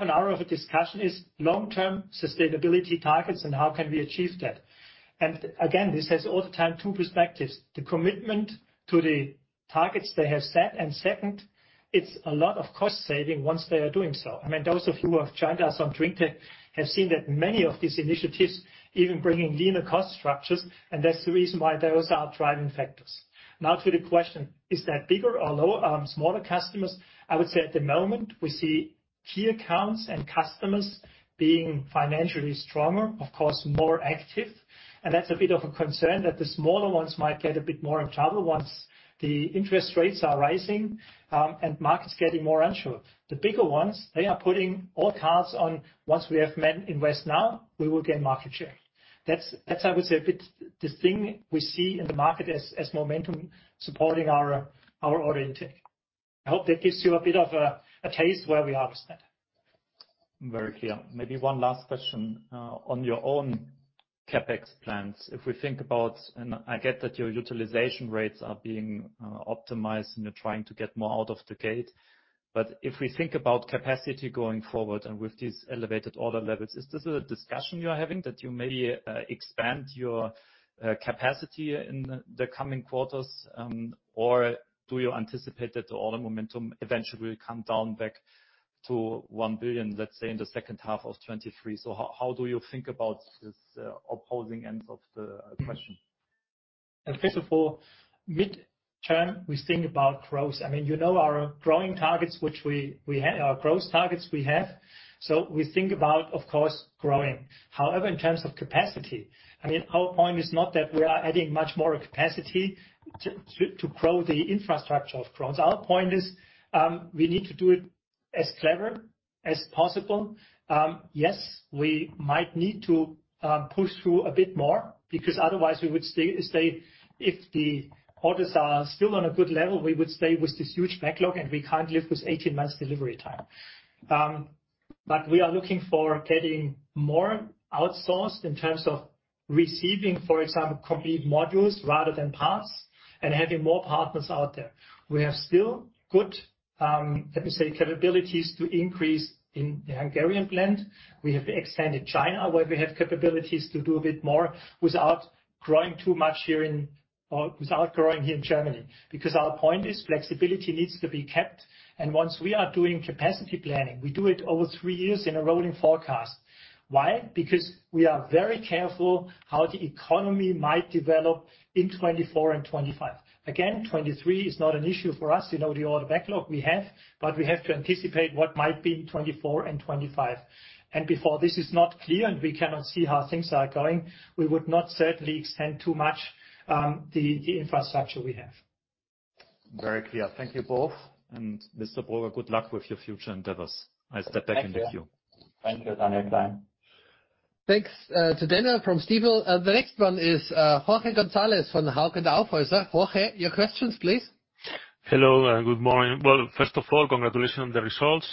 an hour of a discussion is long-term sustainability targets and how can we achieve that. Again, this has all the time two perspectives, the commitment to the targets they have set, and second, it's a lot of cost saving once they are doing so. I mean, those of you who have joined us on drinktec have seen that many of these initiatives even bringing leaner cost structures, and that's the reason why those are driving factors. Now to the question, is that bigger or smaller customers? I would say at the moment, we see key accounts and customers being financially stronger, of course, more active. That's a bit of a concern that the smaller ones might get a bit more in trouble once the interest rates are rising, and markets getting more unsure. The bigger ones, they are putting all cards on, "Once we have invest now, we will gain market share." That's I would say a bit the thing we see in the market as momentum supporting our order intake. I hope that gives you a bit of a taste where we are with that. Very clear. Maybe one last question on your own CapEx plans. I get that your utilization rates are being optimized, and you're trying to get more out of the gate. If we think about capacity going forward and with these elevated order levels, is this a discussion you are having that you maybe expand your capacity in the coming quarters, or do you anticipate that the order momentum eventually will come down back to 1 billion, let's say, in the H2 of 2023? How do you think about this opposing ends of the question? First of all, mid-term, we think about growth. I mean our growth targets we have. We think about, of course, growing. However, in terms of capacity, I mean, our point is not that we are adding much more capacity to grow the infrastructure of Krones. Our point is, we need to do it as clever as possible. Yes, we might need to push through a bit more because otherwise we would stay. If the orders are still on a good level, we would stay with this huge backlog, and we can't live with 18 months delivery time. But we are looking for getting more outsourced in terms of receiving, for example, complete modules rather than parts and having more partners out there. We have still good, let me say, capabilities to increase in the Hungarian plant. We have extended in China, where we have capabilities to do a bit more without growing too much here in Germany. Because our point is flexibility needs to be kept, and once we are doing capacity planning, we do it over three years in a rolling forecast. Why? Because we are very careful how the economy might develop in 2024 and 2025. Again, 2023 is not an issue for us. You know the order backlog we have, but we have to anticipate what might be in 2024 and 2025. Before this is not clear, and we cannot see how things are going, we would not certainly extend too much the infrastructure we have. Very clear. Thank you both. Mr. Broger, good luck with your future endeavors. I step back in the queue. Thank you. Thank you. Thank you. Thanks to Daniel Gleim from Stifel. The next one is Jorge Gonzalez from Hauck Aufhäuser Lampe. Jorge, your questions, please. Hello and good morning. Well, first of all, congratulations on the results.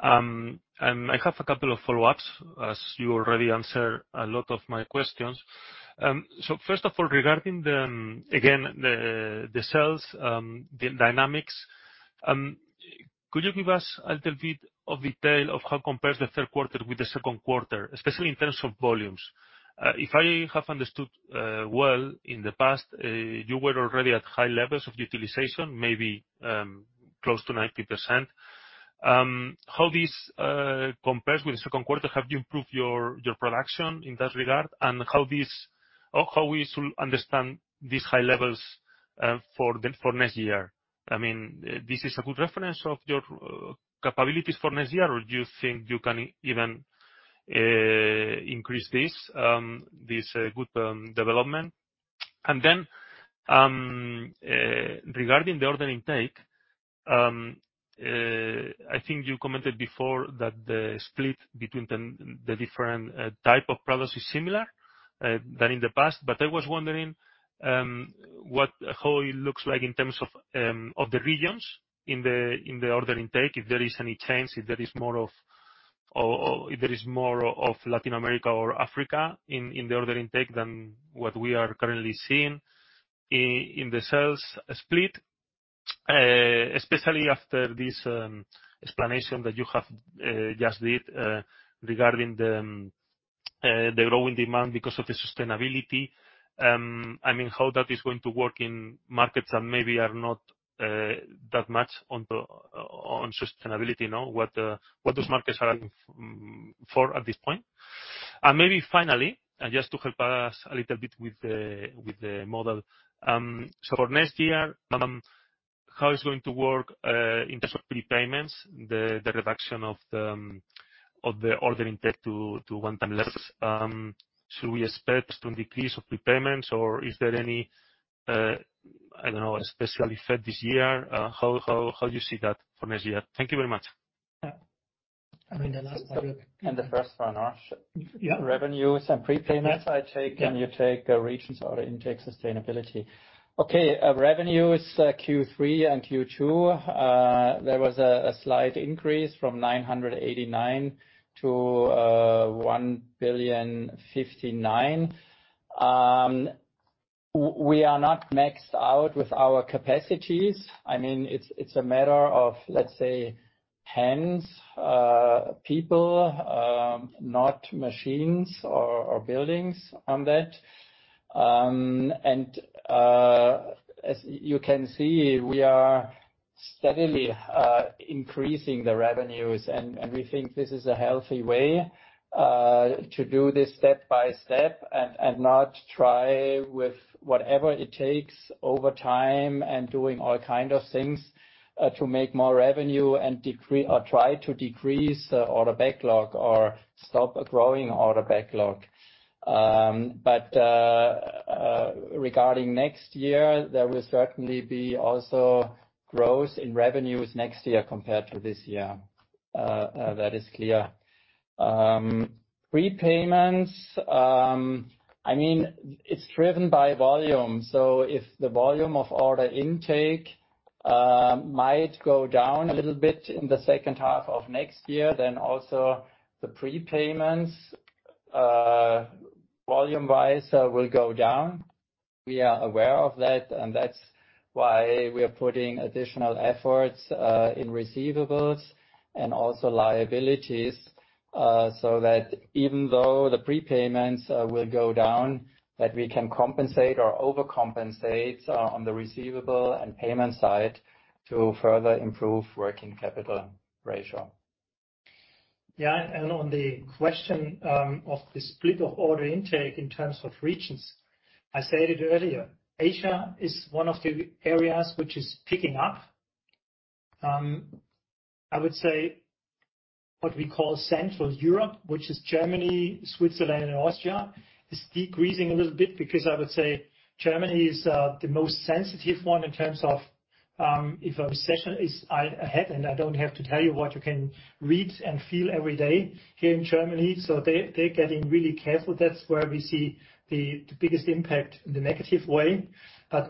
I have a couple of follow-ups as you already answered a lot of my questions. First of all, regarding the sales dynamics, could you give us a little bit of detail of how compares the Q3 with the Q2, especially in terms of volumes? If I have understood, well in the past you were already at high levels of utilization, maybe close to 90%. How this compares with the Q2? Have you improved your production in that regard? How this or how we should understand these high levels for next year? I mean, this is a good reference of your capabilities for next year, or do you think you can even increase this good development? Regarding the order intake, I think you commented before that the split between the different type of products is similar than in the past. I was wondering, how it looks like in terms of the regions in the order intake, if there is any change, if there is more of Latin America or Africa in the order intake than what we are currently seeing in the sales split, especially after this explanation that you have just did regarding the growing demand because of the sustainability. I mean, how that is going to work in markets that maybe are not that much on the, on sustainability? What those markets are looking for at this point? Maybe finally, just to help us a little bit with the model. So for next year, how it's going to work in terms of prepayments, the reduction of the order intake to one time less, should we expect some decrease of prepayments or is there any, I don't know, especially after this year, how you see that for next year? Thank you very much. Yeah. I mean, the last part of it. The first one, no? Yeah. Revenues and prepayments, I take, and you take regions or I take sustainability. Okay, revenues, Q3 and Q2, there was a slight increase from 989-1,059. We are not maxed out with our capacities. I mean, it's a matter of, let's say, hands, people, not machines or buildings on that. As you can see, we are steadily increasing the revenues, and we think this is a healthy way to do this step by step and not try with whatever it takes over time and doing all kind of things to make more revenue or try to decrease order backlog or stop growing order backlog. Regarding next year, there will certainly be also growth in revenues next year compared to this year. That is clear. Prepayments, I mean, it's driven by volume. If the volume of order intake might go down a little bit in the H2 of next year, then also the prepayments volume-wise will go down. We are aware of that, and that's why we are putting additional efforts in receivables and also liabilities so that even though the prepayments will go down, that we can compensate or overcompensate on the receivable and payment side to further improve working capital ratio. On the question of the split of order intake in terms of regions, I said it earlier. Asia is one of the areas which is picking up. I would say what we call Central Europe, which is Germany, Switzerland, and Austria, is decreasing a little bit because I would say Germany is the most sensitive one in terms of if a recession is ahead, and I don't have to tell you what you can read and feel every day here in Germany. They’re getting really careful. That's where we see the biggest impact in the negative way.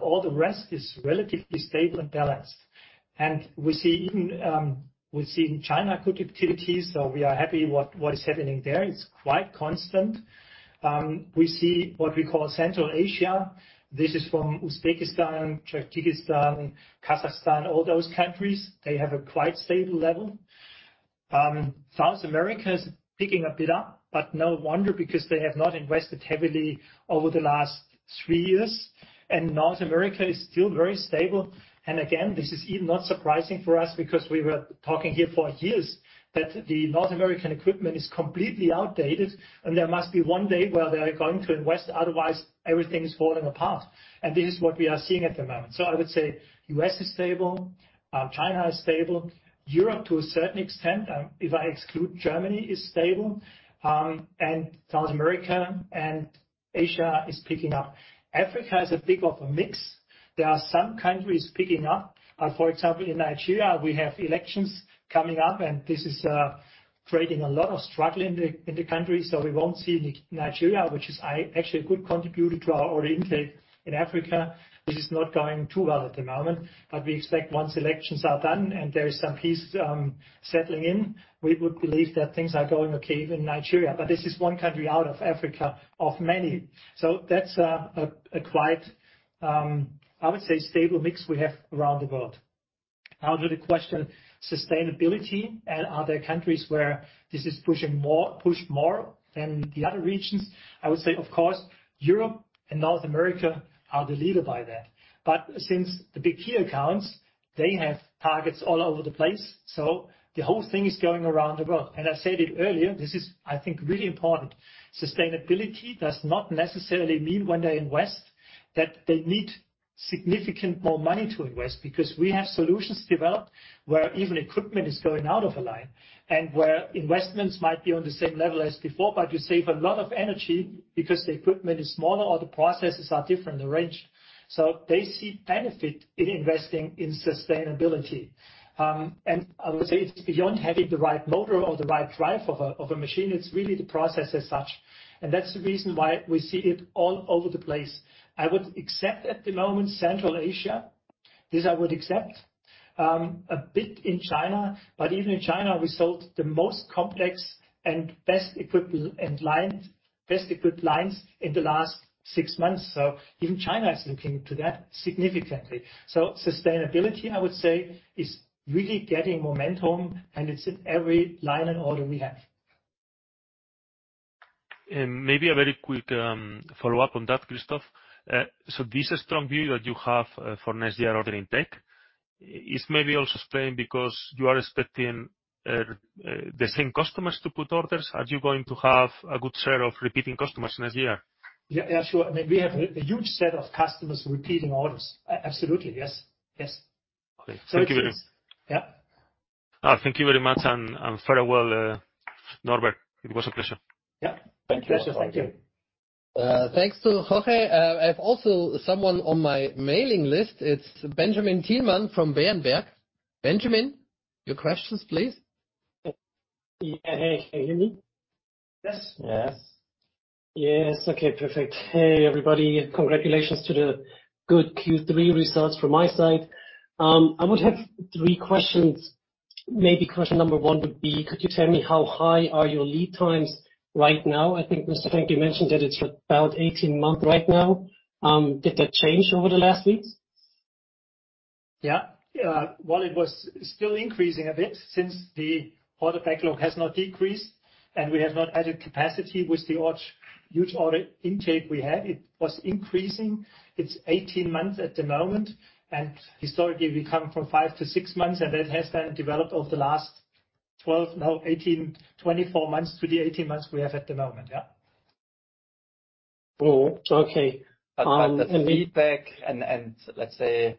All the rest is relatively stable and balanced. We see even in China good activities, so we are happy what is happening there. It's quite constant. We see what we call Central Asia. This is from Uzbekistan, Kyrgyzstan, Kazakhstan, all those countries. They have a quite stable level. South America is picking a bit up, but no wonder because they have not invested heavily over the last three years. North America is still very stable. Again, this is even not surprising for us because we were talking here for years that the North American equipment is completely outdated and there must be one day where they are going to invest, otherwise everything is falling apart. This is what we are seeing at the moment. I would say U.S. is stable, China is stable, Europe to a certain extent, if I exclude Germany, is stable, and South America and Asia is picking up. Africa is a bit of a mix. There are some countries picking up. For example, in Nigeria, we have elections coming up, and this is creating a lot of struggle in the country, so we won't see Nigeria, which is actually a good contributor to our order intake in Africa. This is not going too well at the moment, but we expect once elections are done and there is some peace settling in, we would believe that things are going okay in Nigeria. But this is one country out of Africa, of many. That's a quite stable mix we have around the world. Now to the question, sustainability and other countries where this is pushed more than the other regions. I would say, of course, Europe and North America are the leader by that. Since the big key accounts, they have targets all over the place, so the whole thing is going around the world. I said it earlier, this is, I think, really important. Sustainability does not necessarily mean when they invest that they need significant more money to invest, because we have solutions developed where even equipment is going out of a line and where investments might be on the same level as before, but you save a lot of energy because the equipment is smaller or the processes are different, the range. They see benefit in investing in sustainability. I would say it's beyond having the right motor or the right drive of a, of a machine. It's really the process as such. That's the reason why we see it all over the place. I would expect at the moment central areas. This I would accept. A bit in China, but even in China, we sold the most complex and best equipped lines in the last six months. Even China is looking to that significantly. Sustainability, I would say is really getting momentum, and it's in every line and order we have. Maybe a very quick follow-up on that, Christoph. So this strong view that you have for next year order intake is maybe also staying because you are expecting the same customers to put orders. Are you going to have a good share of repeating customers next year? Yeah, sure. I mean, we have a huge set of customers repeating orders. Absolutely, yes. Okay. Thank you very much. Yeah. Thank you very much, and farewell, Norbert. It was a pleasure. Yeah. Thank you. Pleasure. Thank you. Thanks to Jorge. I have also someone on my mailing list. It's Benjamin Thielmann from Berenberg. Benjamin, your questions please. Yeah. Hey, can you hear me? Yes. Yes. Yes. Okay, perfect. Hey, everybody. Congratulations to the good Q3 results from my side. I would have three questions. Maybe question number one would be, could you tell me how high are your lead times right now? I think Mr. Klenk, you mentioned that it's about 18 months right now. Did that change over the last weeks? Yeah. Well, it was still increasing a bit since the order backlog has not decreased, and we have not added capacity with the huge order intake we had. It was increasing. It's 18 months at the moment, and historically we come from five - six months, and that has been developed over the last 12, now 18, 24 months to the 18 months we have at the moment, yeah. Oh, okay. The feedback and let's say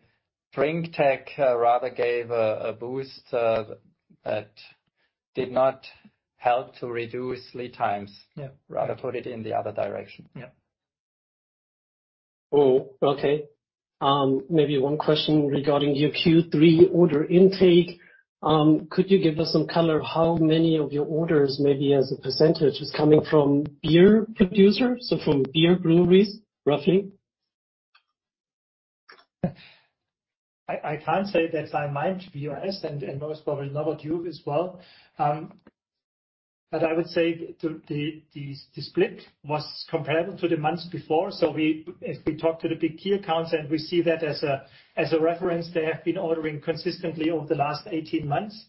drinktec rather gave a boost that did not help to reduce lead times. Yeah. Rather put it in the other direction. Yeah. Oh, okay. Maybe one question regarding your Q3 order intake. Could you give us some color how many of your orders, maybe as a percentage, is coming from beer producers, so from beer breweries, roughly? I can't say that I mind to be honest, and most probably Norbert, you as well. I would say the split was comparable to the months before. If we talk to the big key accounts and we see that as a reference, they have been ordering consistently over the last 18 months.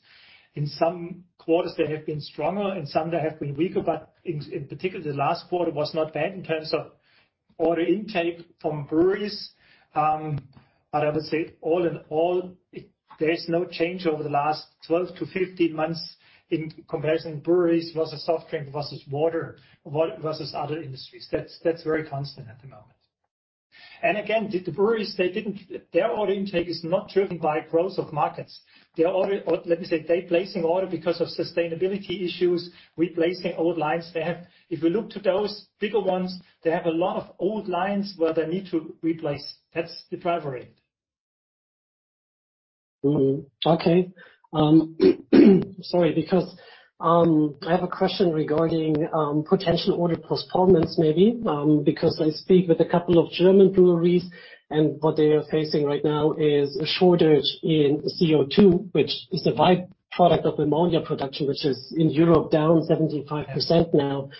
In some quarters, they have been stronger, in some they have been weaker, but in particular the last quarter was not bad in terms of order intake from breweries. I would say all in all, there is no change over the last 12-15 months in comparison breweries versus soft drink versus water versus other industries. That's very constant at the moment. Again, the breweries, their order intake is not driven by growth of markets. Their order Let me say, they're placing orders because of sustainability issues, replacing old lines. If we look to those bigger ones, they have a lot of old lines where they need to replace. That's the driver in. Sorry, because I have a question regarding potential order postponements, maybe. Because I speak with a couple of German breweries and what they are facing right now is a shortage in CO2, which is a by-product of ammonia production, which is in Europe down 75% now.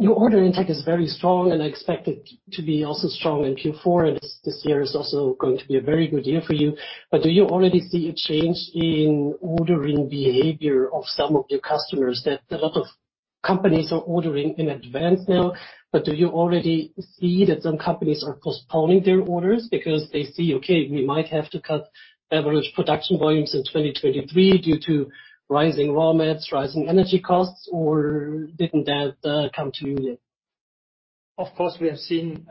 Your order intake is very strong, and I expect it to be also strong in Q4, and this year is also going to be a very good year for you. Do you already see a change in ordering behavior of some of your customers that a lot of companies are ordering in advance now, but do you already see that some companies are postponing their orders because they see, "Okay, we might have to cut average production volumes in 2023 due to rising raw materials, rising energy costs?" Or didn't that come to you yet? Of course, we have seen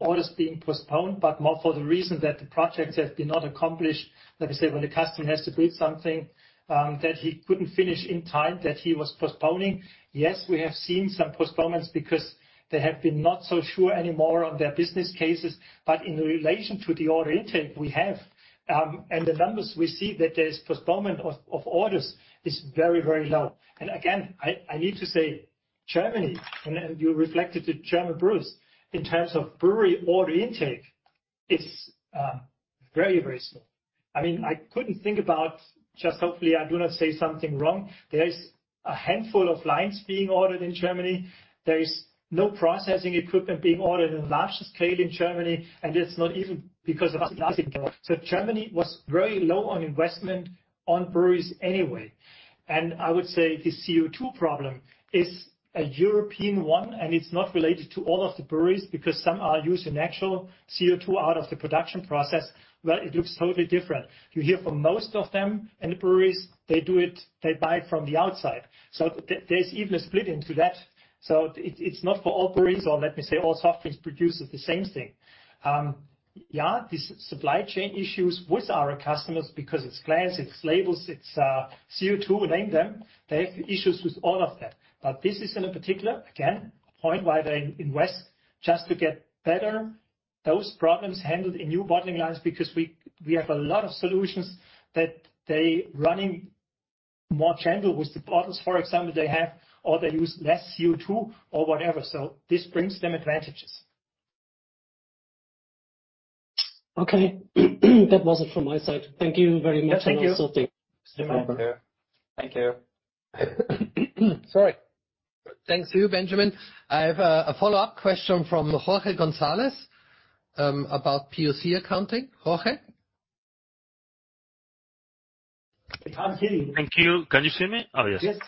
orders being postponed, but more for the reason that the projects have been not accomplished. Like I said, when the customer has to build something that he couldn't finish in time, that he was postponing. Yes, we have seen some postponements because they have been not so sure anymore of their business cases. In relation to the order intake we have, and the numbers we see that there's postponement of orders is very, very low. Again, I need to say Germany, and you referred to German brewers, in terms of brewery order intake, it's very, very slow. I mean, I couldn't think about. Just hopefully I do not say something wrong. There is a handful of lines being ordered in Germany. There is no processing equipment being ordered in large scale in Germany, and it's not even because Germany was very low on investment on breweries anyway. I would say the CO2 problem is a European one, and it's not related to all of the breweries because some are using actual CO2 out of the production process where it looks totally different. You hear from most of them, and the breweries, they do it, they buy from the outside. There's even a split into that. It's not for all breweries or let me say all soft drinks producers the same thing. Yeah, these supply chain issues with our customers because it's glass, it's labels, it's CO2, name them, they have issues with all of that. This is in a particular, again, a point why they invest just to get better those problems handled in new bottling lines because we have a lot of solutions that they running more gentle with the bottles, for example, they have, or they use less CO2 or whatever. This brings them advantages. Okay. That was it from my side. Thank you very much. Yes, thank you. Also thank you, Norbert. Thank you. Sorry. Thanks to you, Benjamin. I have a follow-up question from Jorge Gonzalez about POC accounting. Jorge? I'm here. Thank you. Can you see me? Oh, yes. Yes.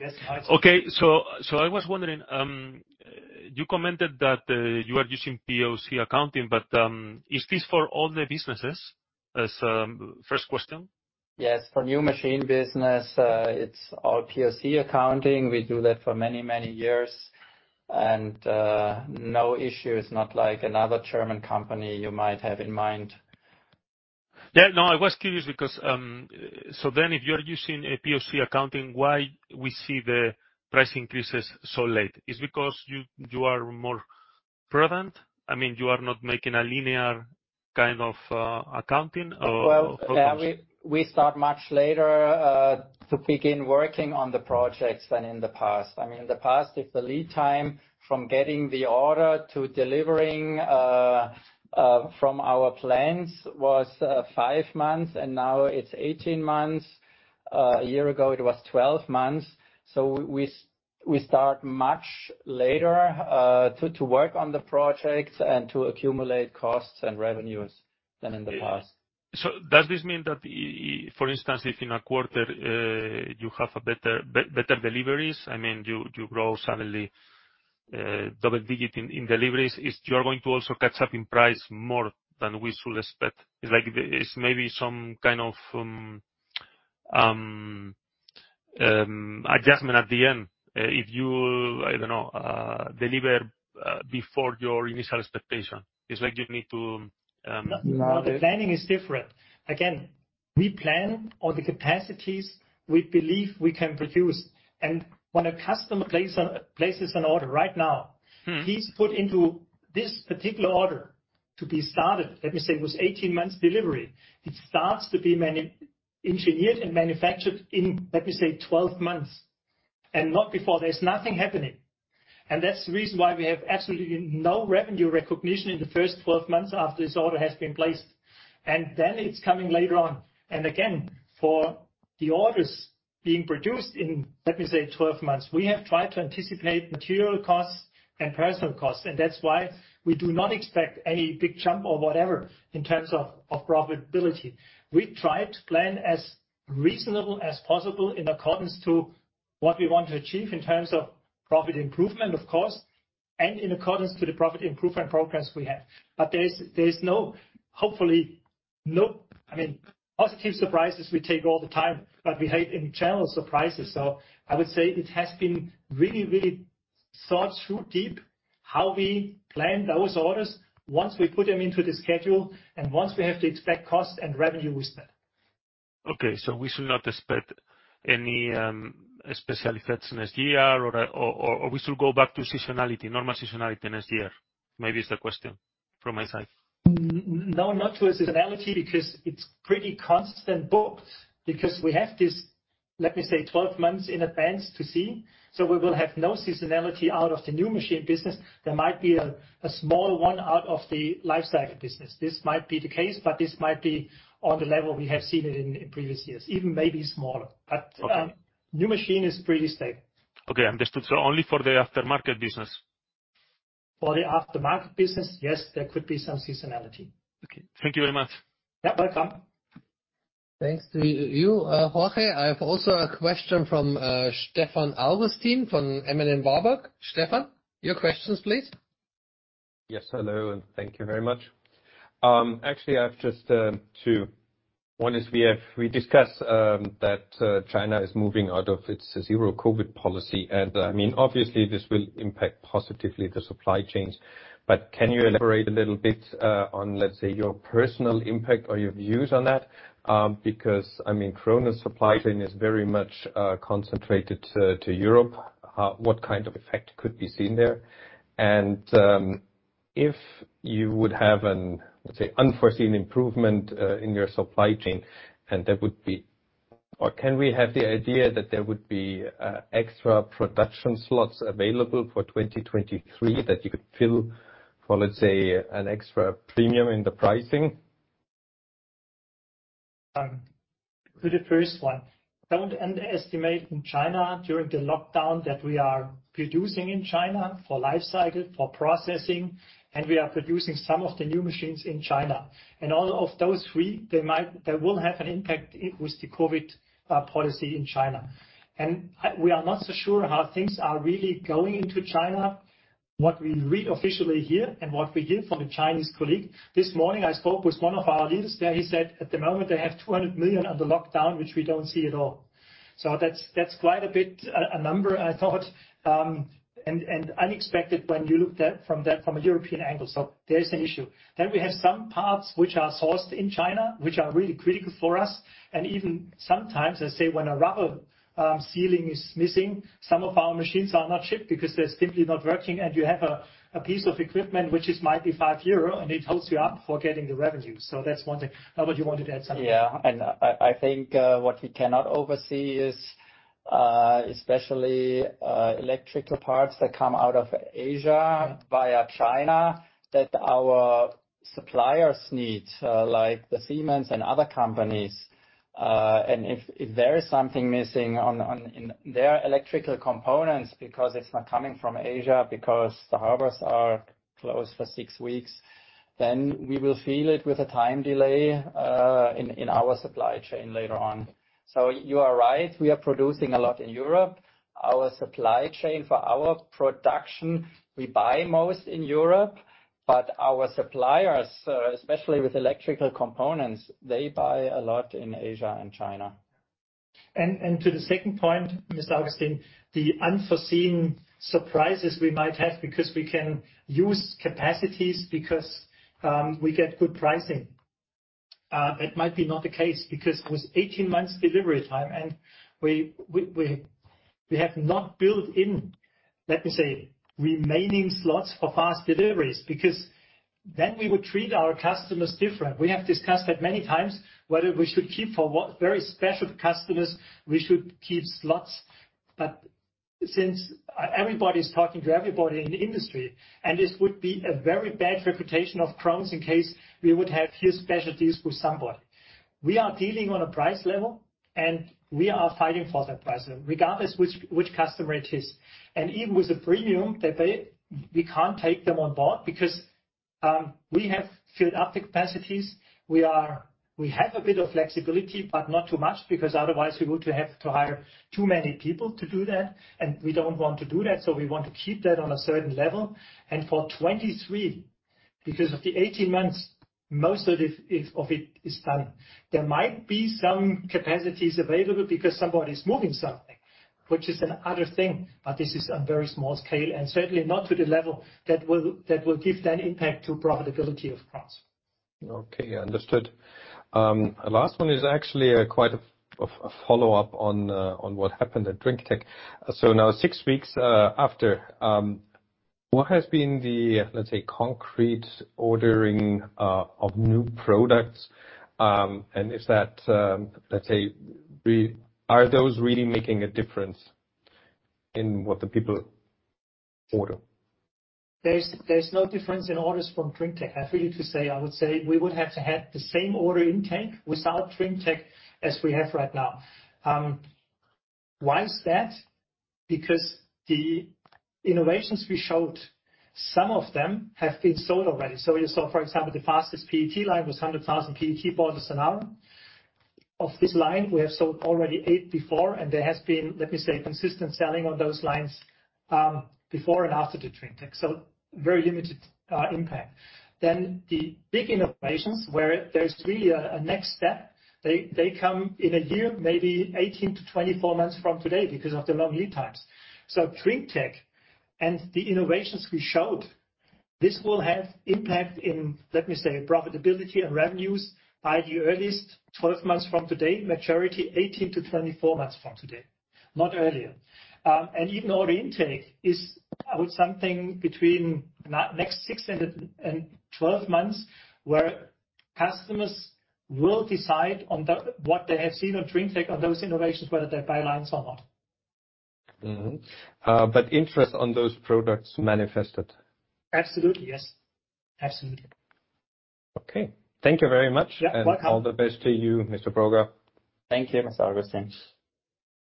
Yes, I see. I was wondering, you commented that you are using POC accounting, but is this for all the businesses? Is first question. Yes, for new machine business, it's all POC accounting. We do that for many, many years. No issue. It's not like another German company you might have in mind. Yeah, no, I was curious because if you are using a POC accounting, why we see the price increases so late? Is it because you are more prudent? I mean, you are not making a linear kind of accounting or how come? Well, we start much later to begin working on the projects than in the past. I mean, in the past, if the lead time from getting the order to delivering from our plans was five months, and now it's 18 months, a year ago it was 12 months. We start much later to work on the projects and to accumulate costs and revenues than in the past. Does this mean that for instance, if in a quarter, you have better deliveries, I mean, you grow suddenly double-digit in deliveries, are you going to also catch up in price more than we should expect? It's maybe some kind of adjustment at the end if you, I don't know, deliver before your initial expectation. It's like you need to. No. No. The planning is different. Again, we plan on the capacities we believe we can produce. When a customer places an order right now. Mm-hmm. He's put into this particular order to be started. Let me say it was 18 months delivery. It starts to be engineered and manufactured in, let me say, 12 months, and not before. There's nothing happening. That's the reason why we have absolutely no revenue recognition in the first 12 months after this order has been placed. Then it's coming later on. Again, for the orders being produced in, let me say, 12 months, we have tried to anticipate material costs and personnel costs, and that's why we do not expect any big jump or whatever in terms of profitability. We try to plan as reasonable as possible in accordance to what we want to achieve in terms of profit improvement, of course, and in accordance to the profit improvement progress we have. But there is hopefully no. I mean, positive surprises we take all the time, but we hate in channel surprises. I would say it has been really, really thought through deep how we plan those orders once we put them into the schedule, and once we have to expect costs and revenue we spend. Okay. We should not expect any special effects next year or we should go back to seasonality, normal seasonality next year? Maybe it's the question from my side. No, not to a seasonality because it's pretty constant booked because we have this, let me say, 12 months in advance to see. We will have no seasonality out of the new machine business. There might be a small one out of the life cycle business. This might be the case, but this might be on the level we have seen it in previous years, even maybe smaller. Okay. New machine is pretty stable. Okay, understood. Only for the aftermarket business. For the aftermarket business, yes, there could be some seasonality. Okay. Thank you very much. Yeah, welcome. Thanks to you, Jorge. I have also a question from Stefan Augustin from M.M. Warburg & CO. Stefan, your questions, please. Yes, hello, and thank you very much. Actually, I've just two. One is we discuss that China is moving out of its zero COVID policy. I mean, obviously this will impact positively the supply chains. But can you elaborate a little bit on, let's say, your personal impact or your views on that? Because, I mean, Krones supply chain is very much concentrated to Europe. What kind of effect could be seen there? If you would have an, let's say, unforeseen improvement in your supply chain and there would be or can we have the idea that there would be extra production slots available for 2023 that you could fill for, let's say, an extra premium in the pricing? To the first one, don't underestimate in China during the lockdown that we are producing in China for life cycle, for processing, and we are producing some of the new machines in China. All of those three, they will have an impact with the COVID policy in China. We are not so sure how things are really going into China. What we read officially here and what we hear from a Chinese colleague. This morning, I spoke with one of our leaders there. He said, at the moment, they have 200 million under lockdown, which we don't see at all. That's quite a bit, a number I thought, and unexpected when you look at it from a European angle. There is an issue. We have some parts which are sourced in China, which are really critical for us. Even sometimes, let's say when a rubber sealing is missing, some of our machines are not shipped because they're simply not working, and you have a piece of equipment which might be 5 euro, and it holds you up for getting the revenue. That's one thing. Norbert, you wanted to add something? Yeah. I think what we cannot oversee is especially electrical parts that come out of Asia via China that our suppliers need like the Siemens and other companies. If there is something missing in their electrical components because it's not coming from Asia because the harbors are closed for six weeks, then we will feel it with a time delay in our supply chain later on. You are right, we are producing a lot in Europe. Our supply chain for our production, we buy most in Europe, but our suppliers especially with electrical components, they buy a lot in Asia and China. To the second point, Mr. Augustin, the unforeseen surprises we might have because we can use capacities because we get good pricing. It might not be the case because with 18 months delivery time and we have not built in, let me say, remaining slots for fast deliveries. Because then we would treat our customers different. We have discussed that many times, whether we should keep for what very special customers, we should keep slots. But since everybody is talking to everybody in the industry, and this would be a very bad reputation of Krones in case we would have huge specialties with somebody. We are dealing on a price level, and we are fighting for that price level, regardless which customer it is. Even with the premium that they, we can't take them on board because we have filled up capacities. We have a bit of flexibility, but not too much because otherwise we would have to hire too many people to do that, and we don't want to do that. We want to keep that on a certain level. For 2023, because of the 18 months, most of it is done. There might be some capacities available because somebody's moving something, which is another thing. This is on very small scale and certainly not to the level that will give that impact to profitability of Krones. Okay, understood. Last one is actually quite a follow-up on what happened at drinktec. Now six weeks after what has been the, let's say, concrete ordering of new products, and is that, let's say, Are those really making a difference in what the people order? There's no difference in orders from drinktec. Happy to say, I would say we would have to have the same order intake without drinktec as we have right now. Why is that? Because the innovations we showed, some of them have been sold already. You saw, for example, the fastest PET line was 100,000 PET bottles an hour. Of this line, we have sold already eight before, and there has been, let me say, consistent selling on those lines, before and after the drinktec. Very limited impact. The big innovations where there's really a next step, they come in a year, maybe 18-24 months from today because of the long lead times. drinktec and the innovations we showed, this will have impact in, let me say, profitability and revenues by the earliest 12 months from today, maturity 18-24 months from today. Not earlier. Even order intake is, I would something between next six and 12 months, where customers will decide on what they have seen on drinktec on those innovations, whether they buy lines or not. Interest in those products manifested? Absolutely, yes. Absolutely. Okay. Thank you very much. Yeah, welcome. All the best to you, Norbert Broger. Thank you, Stefan Augustin.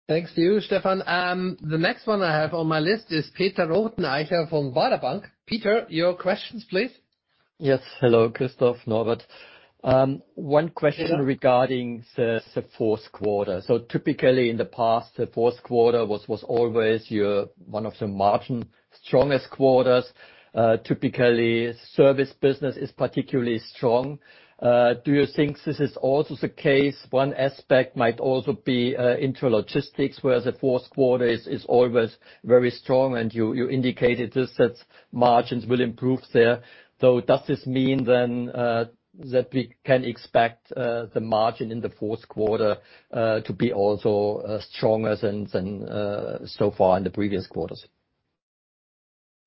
Thanks to you, Stefan. The next one I have on my list is Peter Rothenaicher from Baader Bank. Peter, your questions, please. Yes. Hello, Christoph, Norbert. One question regarding the Q4. Typically in the past, the Q4 was always your one of the margin strongest quarters. Typically, service business is particularly strong. Do you think this is also the case? One aspect might also be Intralogistics, where the Q4 is always very strong and you indicated that margins will improve there. Does this mean that we can expect the margin in the Q4 to be also stronger than so far in the previous quarters?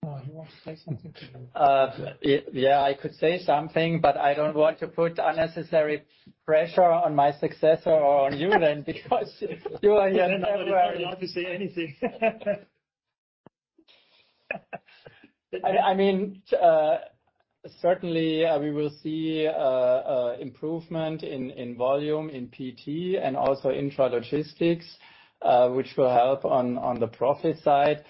Oh, you want to say something to me? Yeah, I could say something, but I don't want to put unnecessary pressure on my successor or on you then because you are here forever. I don't want to say anything. I mean, certainly we will see improvement in volume in PT and also Intralogistics, which will help on the profit side.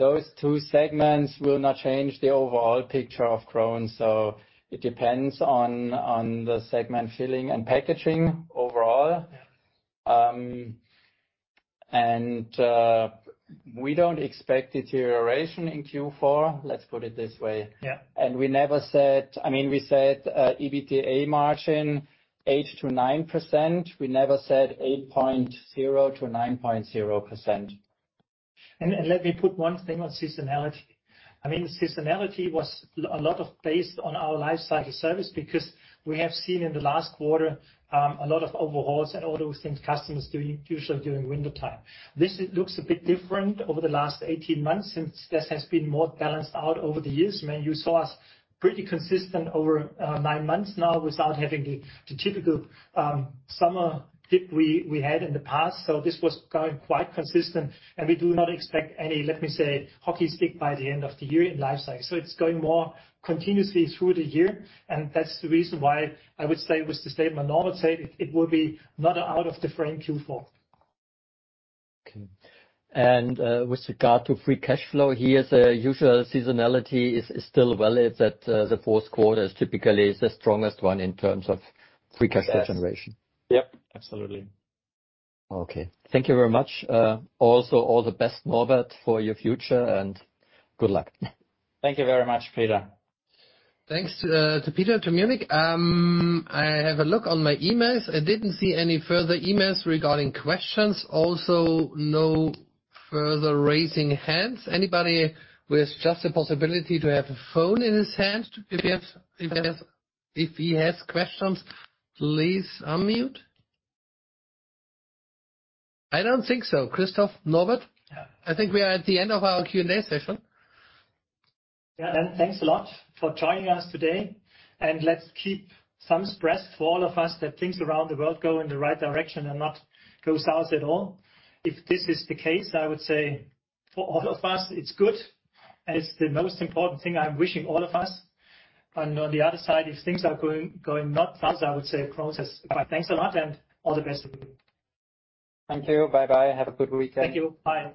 Those two segments will not change the overall picture of Krones. It depends on the segment Filling and Packaging overall. Yeah. We don't expect deterioration in Q4. Let's put it this way. Yeah. We never said. I mean, we said EBITDA margin 8%-9%. We never said 8.0%-9.0%. Let me put one thing on seasonality. I mean, seasonality was a lot based on our life cycle service because we have seen in the last quarter a lot of overhauls and all those things customers do usually during winter time. This looks a bit different over the last 18 months since this has been more balanced out over the years. I mean, you saw us pretty consistent over nine months now without having the typical summer dip we had in the past. This was going quite consistent and we do not expect any, let me say, hockey stick by the end of the year in life cycle. It's going more continuously through the year, and that's the reason why I would say with the statement Norbert said, it will be not out of the frame Q4. With regard to free cash flow, here the usual seasonality is still valid that the Q4 is typically the strongest one in terms of free cash flow generation. Yes. Yep, absolutely. Okay. Thank you very much. Also all the best, Norbert, for your future, and good luck. Thank you very much, Peter. Thanks to Peter, to Munich. I have a look on my emails. I didn't see any further emails regarding questions. Also no further raising hands. Anybody with just a possibility to have a phone in his hand if he has questions, please unmute. I don't think so. Christoph, Norbert? Yeah. I think we are at the end of our Q&A session. Yeah. Thanks a lot for joining us today, and let's keep thumbs pressed for all of us that things around the world go in the right direction and not go south at all. If this is the case, I would say for all of us, it's good and it's the most important thing I'm wishing all of us. On the other side, if things are going not fast, I would say Krones is fine. Thanks a lot and all the best. Thank you. Bye bye. Have a good weekend. Thank you. Bye.